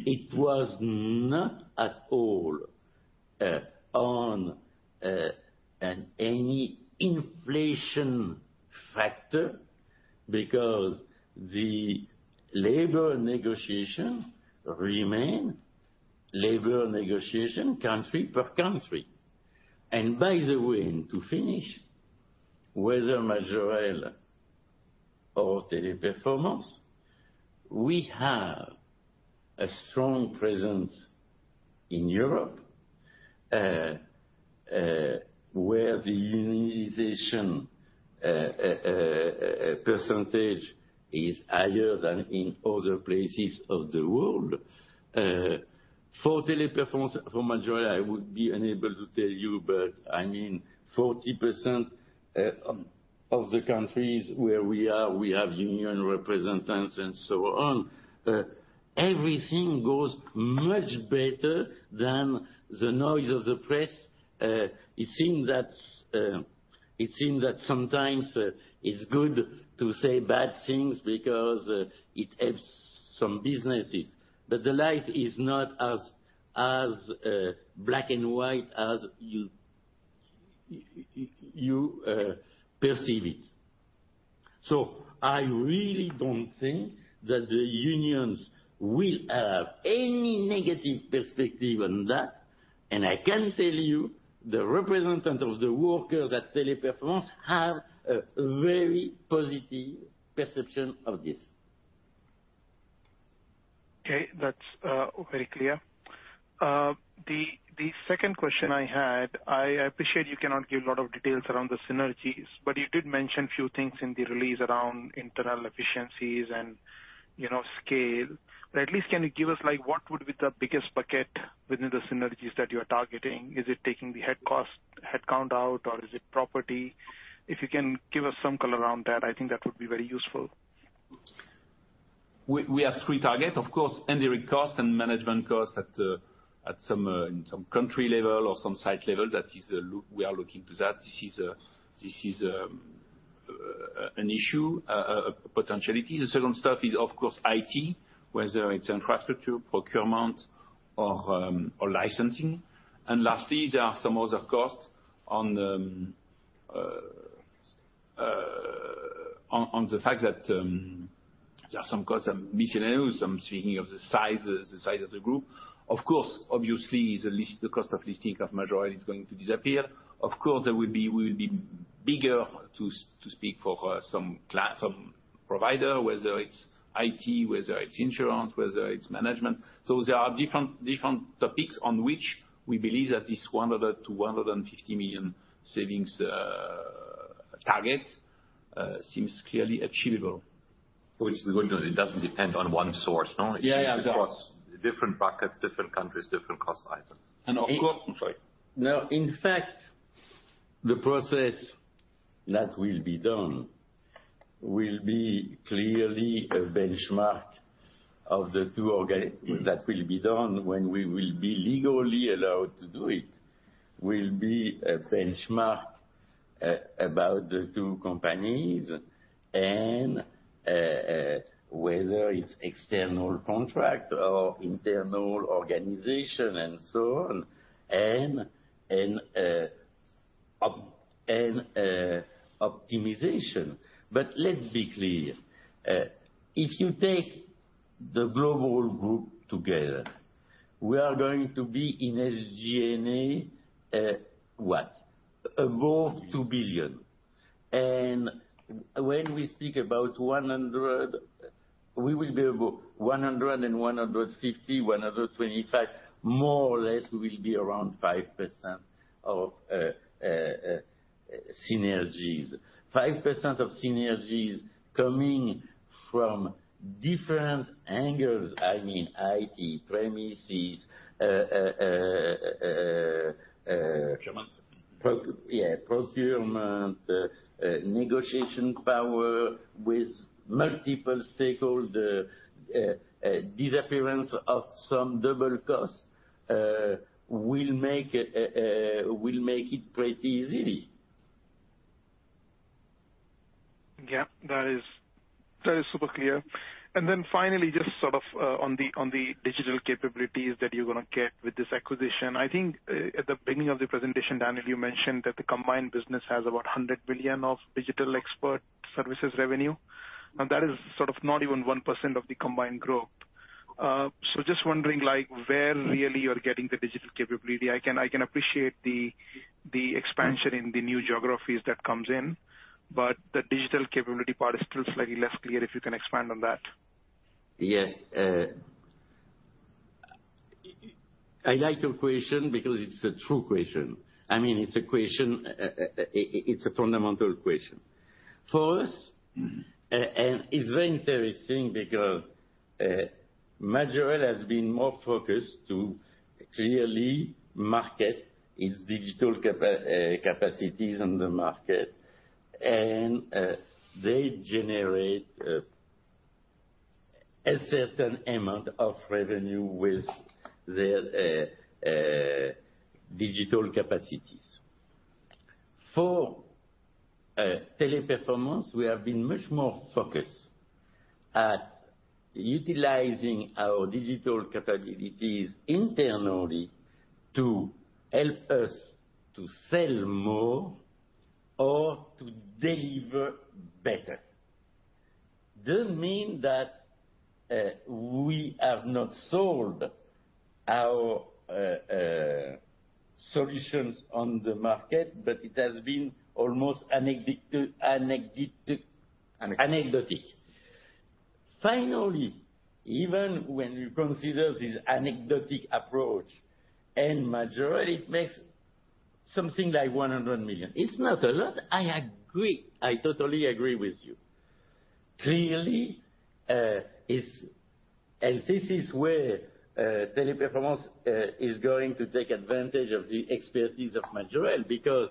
It was not at all on any inflation factor because the labor negotiations remain labor negotiation country per country. By the way, to finish, whether Majorel or Teleperformance, we have a strong presence in Europe, where the unionization percentage is higher than in other places of the world. For Teleperformance for Majorel, I would be unable to tell you, but I mean, 40% of the countries where we are, we have union representatives and so on. Everything goes much better than the noise of the press. It seems that sometimes it's good to say bad things because it helps some businesses. The light is not as, black and white as you perceive it. I really don't think that the unions will have any negative perspective on that. I can tell you the representative of the workers at Teleperformance have a very positive perception of this. Okay. That's very clear. The second question I had, I appreciate you cannot give a lot of details around the synergies, but you did mention a few things in the release around internal efficiencies and, you know, scale. At least can you give us, like, what would be the biggest bucket within the synergies that you are targeting? Is it taking the head cost, headcount out, or is it property? If you can give us some color around that, I think that would be very useful. We have three targets, of course, indirect costs and management costs at some in some country level or some site level. That is we are looking to that. This is an issue, a potentiality. The second step is of course, IT, whether it's infrastructure, procurement or licensing. Lastly, there are some other costs on the fact that there are some costs are miscellaneous. I'm speaking of the size of the group. Of course, obviously, the cost of listing of Majorel is going to disappear. Of course, there will be we will be bigger to speak for some provider, whether it's IT, whether it's insurance, whether it's management. There are different topics on which we believe that this 100 million-150 million savings target seems clearly achievable. Which- It doesn't depend on one source, no? Yeah, yeah. It's across different buckets, different countries, different cost items. of course- Sorry. No. In fact, the process that will be done will be clearly a benchmark of the two that will be done when we will be legally allowed to do it, will be a benchmark about the two companies and whether it's external contract or internal organization and so on, and optimization. Let's be clear. If you take the global group together, we are going to be in SG&A, what? Above 2 billion. When we speak about 100, we will be above 100 and 150, 125, more or less we will be around 5% of synergies. 5% of synergies coming from different angles. I mean, IT, premises. Procurement. yeah, procurement, negotiation power with multiple stakeholder, disappearance of some double costs, will make it pretty easy. Yeah, that is super clear. Finally, just sort of on the, on the digital capabilities that you're going to get with this acquisition. I think at the beginning of the presentation, Daniel, you mentioned that the combined business has about 100 billion of digital expert services revenue, and that is sort of not even 1% of the combined group. Just wondering like where really you're getting the digital capability. I can appreciate the expansion in the new geographies that comes in, the digital capability part is still slightly less clear, if you can expand on that. Yes. I like your question because it's a true question. I mean, it's a question, it's a fundamental question. For us, and it's very interesting because Majorel has been more focused to clearly market its digital capacities on the market. They generate a certain amount of revenue with their digital capacities. For Teleperformance, we have been much more focused at utilizing our digital capabilities internally to help us to sell more or to deliver better. Doesn't mean that we have not sold our solutions on the market, but it has been almost anecdotal. Anecdotal. Anecdotal. Finally, even when you consider this anecdotal approach and Majorel, it makes something like 100 million. It's not a lot, I agree. I totally agree with you. Clearly, is. This is where Teleperformance is going to take advantage of the expertise of Majorel, because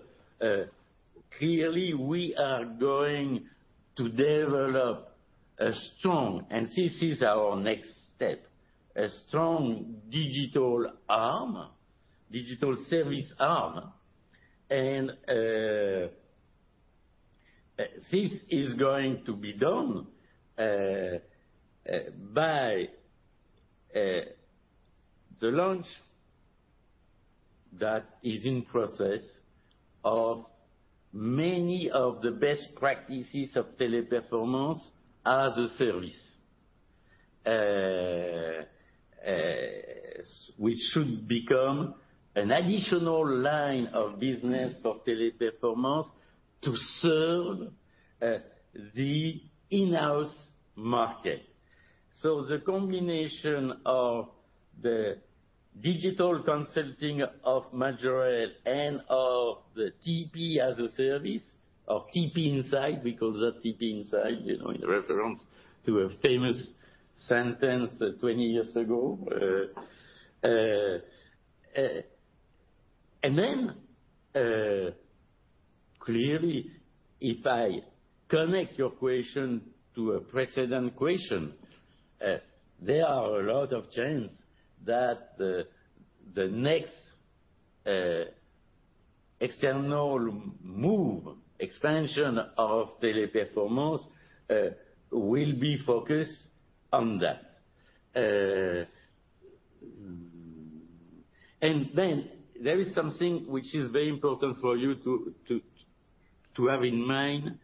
clearly we are going to develop a strong, and this is our next step, a strong digital arm, digital service arm. This is going to be done by the launch that is in process of many of the best practices of Teleperformance as a service. Which should become an additional line of business for Teleperformance to serve the in-house market. The combination of the digital consulting of Majorel and of the TP as a service or TP Inside, we call that TP Inside, you know, in reference to a famous sentence 20 years ago. Clearly, if I connect your question to a precedent question, there are a lot of chance that the next external move, expansion of Teleperformance, will be focused on that. There is something which is very important for you to have in mind,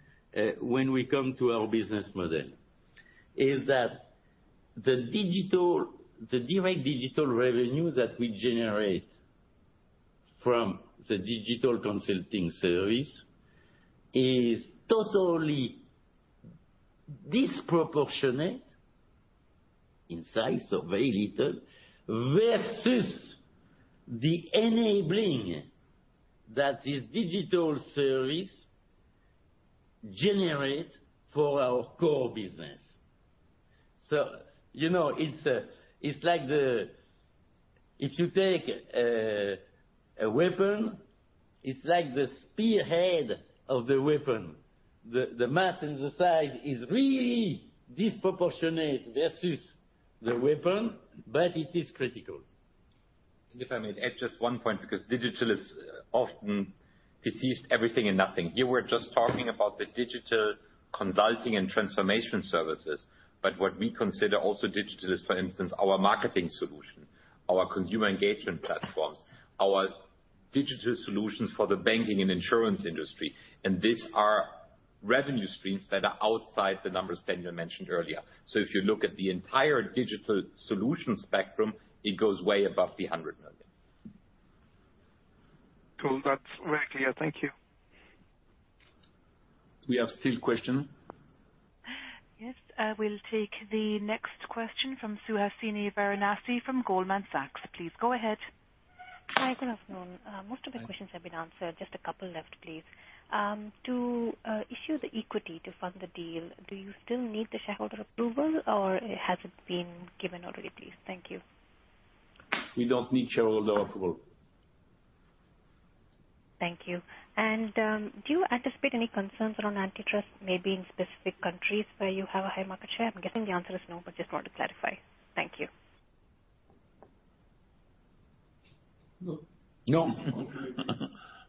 when we come to our business model, is that the digital, the direct digital revenue that we generate from the digital consulting service is totally disproportionate in size, so very little, versus the enabling that this digital service generates for our core business. You know, it's like the... If you take a weapon, it's like the spearhead of the weapon. The mass and the size is really disproportionate versus the weapon. It is critical. If I may add just one point, because digital is often perceived everything and nothing. Here we're just talking about the digital consulting and transformation services. What we consider also digital is, for instance, our marketing solution, our consumer engagement platforms, our digital solutions for the banking and insurance industry. These are revenue streams that are outside the numbers Daniel mentioned earlier. If you look at the entire digital solution spectrum, it goes way above the 100 million. Cool. That's way clearer. Thank you. We have still question? Yes. We'll take the next question from Suhasini Varanasi from Goldman Sachs. Please go ahead. Hi, good afternoon. Most of the questions have been answered. Just a couple left, please. To issue the equity to fund the deal, do you still need the shareholder approval or has it been given already? Thank you. We don't need shareholder approval. Thank you. Do you anticipate any concerns around antitrust, maybe in specific countries where you have a high market share? I'm guessing the answer is no, but just want to clarify. Thank you. No.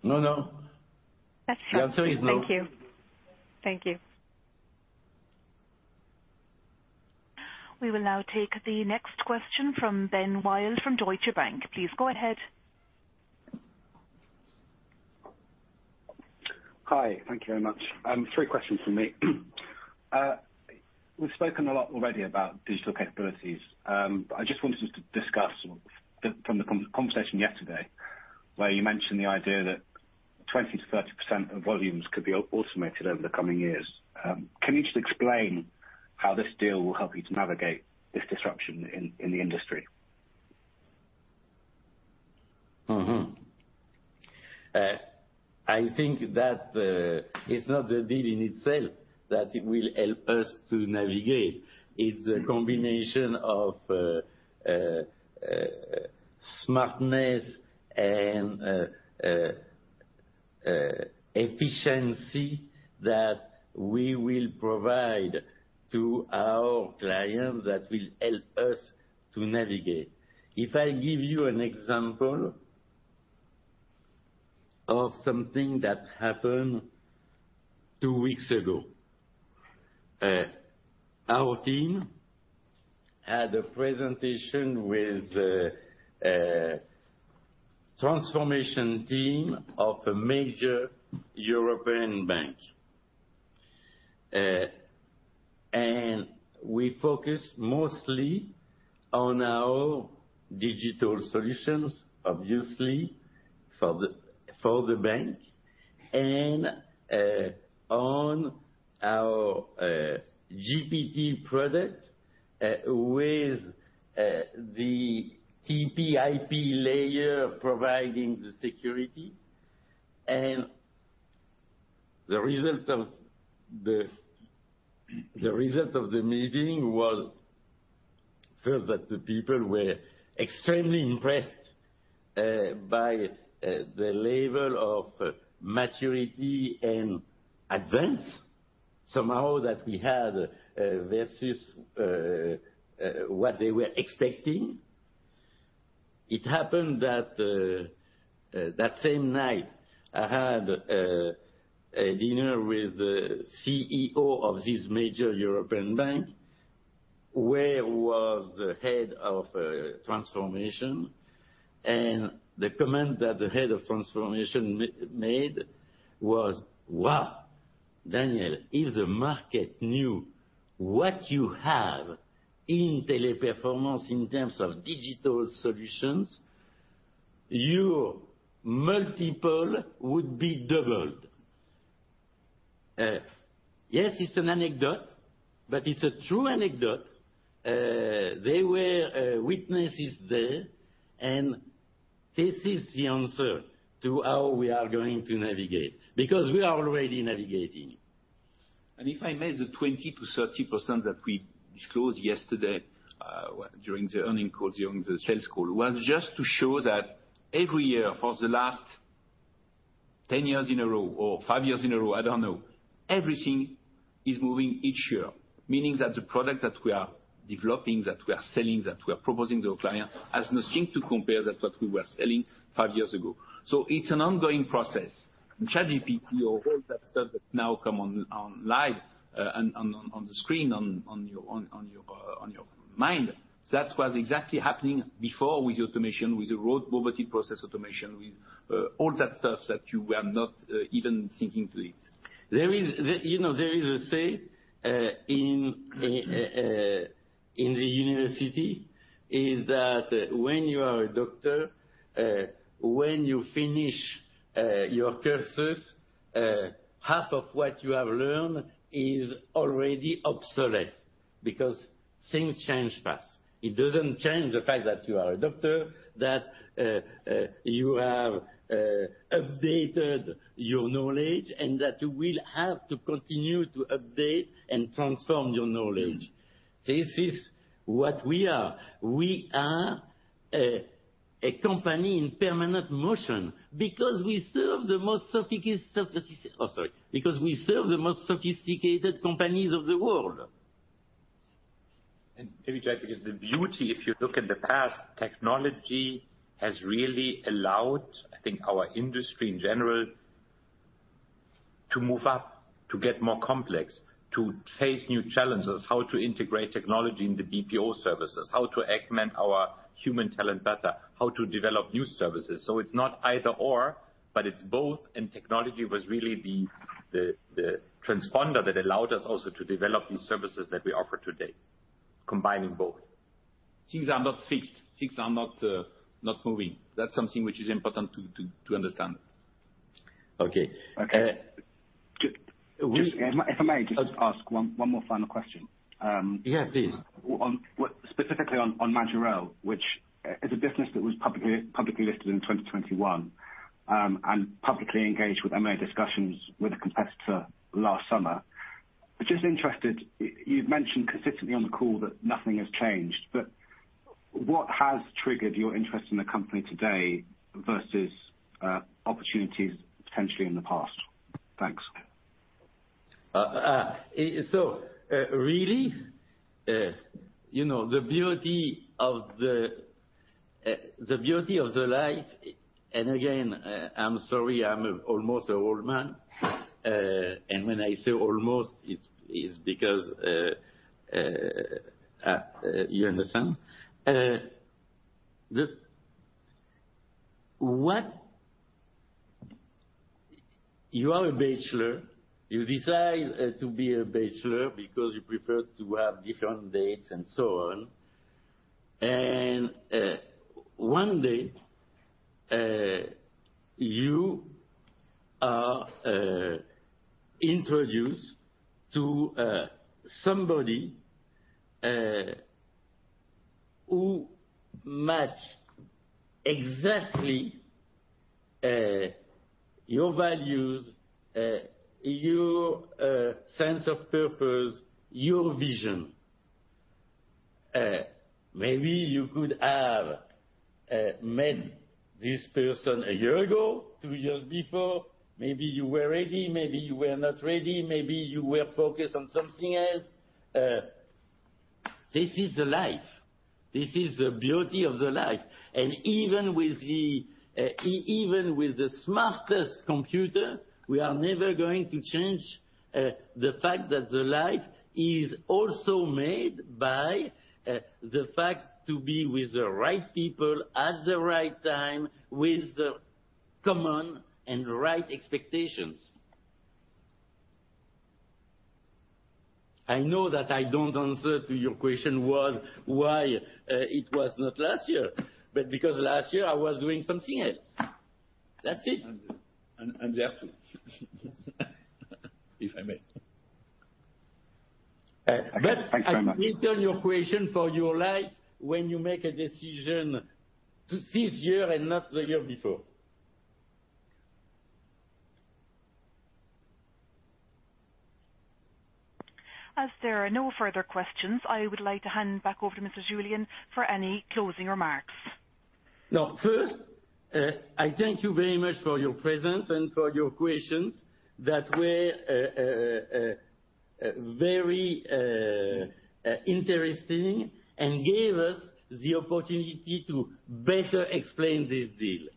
No, no. That's fine. The answer is no. Thank you. Thank you. We will now take the next question from Ben Wild from Deutsche Bank. Please go ahead. Hi. Thank you very much. Three questions from me. We've spoken a lot already about digital capabilities. I just wanted to discuss from the conversation yesterday where you mentioned the idea that 20%-30% of volumes could be automated over the coming years. Can you just explain how this deal will help you to navigate this disruption in the industry? I think that it's not the deal in itself that it will help us to navigate. It's a combination of smartness and efficiency that we will provide to our clients that will help us to navigate. If I give you an example of something that happened two weeks ago. Our team had a presentation with the transformation team of a major European bank. We focused mostly on our digital solutions, obviously, for the bank and on our GPT product with the TPIP layer providing the security. The result of the meeting was, first, that the people were extremely impressed by the level of maturity and advance somehow that we had versus what they were expecting. It happened that same night, I had a dinner with the CEO of this major European bank, where was the Head of Transformation. The comment that the Head of Transformation made was, "Wow, Daniel, if the market knew what you have in Teleperformance in terms of digital solutions, your multiple would be doubled." Yes, it's an anecdote, but it's a true anecdote. They were witnesses there. This is the answer to how we are going to navigate, because we are already navigating. If I may, the 20%-30% that we disclosed yesterday during the earnings call, during the sales call, was just to show that every year for the last 10 years in a row or five years in a row, I don't know, everything is moving each year. Meaning that the product that we are developing, that we are selling, that we are proposing to a client, has nothing to compare that what we were selling five years ago. It's an ongoing process. ChatGPT or all that stuff that now come on live and on the screen on your mind, that was exactly happening before with automation, with the robotic process automation, with all that stuff that you were not even thinking to it. You know, there is a saying in the university, is that when you are a doctor, when you finish your courses, half of what you have learned is already obsolete because things change fast. It doesn't change the fact that you are a doctor, that you have updated your knowledge, and that you will have to continue to update and transform your knowledge. This is what we are. We are a company in permanent motion because we serve the most sophisticated companies of the world. Maybe, because the beauty, if you look at the past, technology has really allowed, I think, our industry in general to move up, to get more complex, to face new challenges, how to integrate technology into BPO services, how to augment our human talent better, how to develop new services. It's not either/or, but it's both. Technology was really the transponder that allowed us also to develop these services that we offer today, combining both. Things are not fixed, things are not not moving. That's something which is important to understand. Okay. Okay. Just, if I may, just ask one more final question. Yeah, please. Specifically on Majorel, which is a business that was publicly listed in 2021, and publicly engaged with M&A discussions with a competitor last summer. Just interested, you've mentioned consistently on the call that nothing has changed, but what has triggered your interest in the company today versus opportunities potentially in the past? Thanks. Really, you know, the beauty of the life, and again, I'm sorry, I'm almost an old man. When I say almost, it's because, you understand? You are a bachelor. You decide to be a bachelor because you prefer to have different dates and so on. One day, you are introduced to somebody who match exactly your values, your sense of purpose, your vision. Maybe you could have met this person a year ago, two years before. Maybe you were ready, maybe you were not ready, maybe you were focused on something else. This is the life. This is the beauty of the life. Even with the smartest computer, we are never going to change the fact that the life is also made by the fact to be with the right people at the right time, with the common and right expectations. I know that I don't answer to your question was why it was not last year, but because last year I was doing something else. That's it. There too. If I may. Uh, but- Thanks very much. I return your question for your life when you make a decision to this year and not the year before. As there are no further questions, I would like to hand back over to Mr. Julien for any closing remarks. No. First, I thank you very much for your presence and for your questions. That were very interesting and gave us the opportunity to better explain this deal.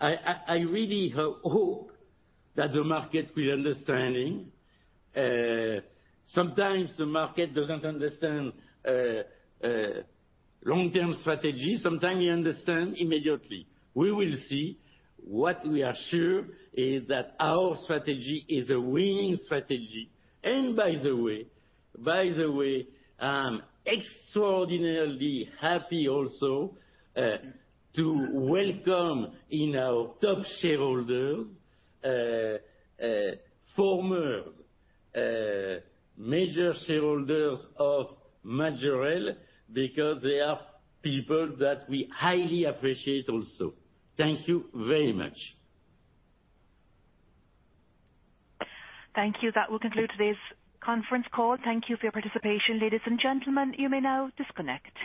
I, I really hope that the market will understanding. Sometimes the market doesn't understand long-term strategy. Sometimes it understand immediately. We will see. What we are sure is that our strategy is a winning strategy. By the way, by the way, I'm extraordinarily happy also to welcome in our top shareholders, former major shareholders of Majorel, because they are people that we highly appreciate also. Thank you very much. Thank you. That will conclude today's conference call. Thank you for your participation. Ladies and gentlemen, you may now disconnect.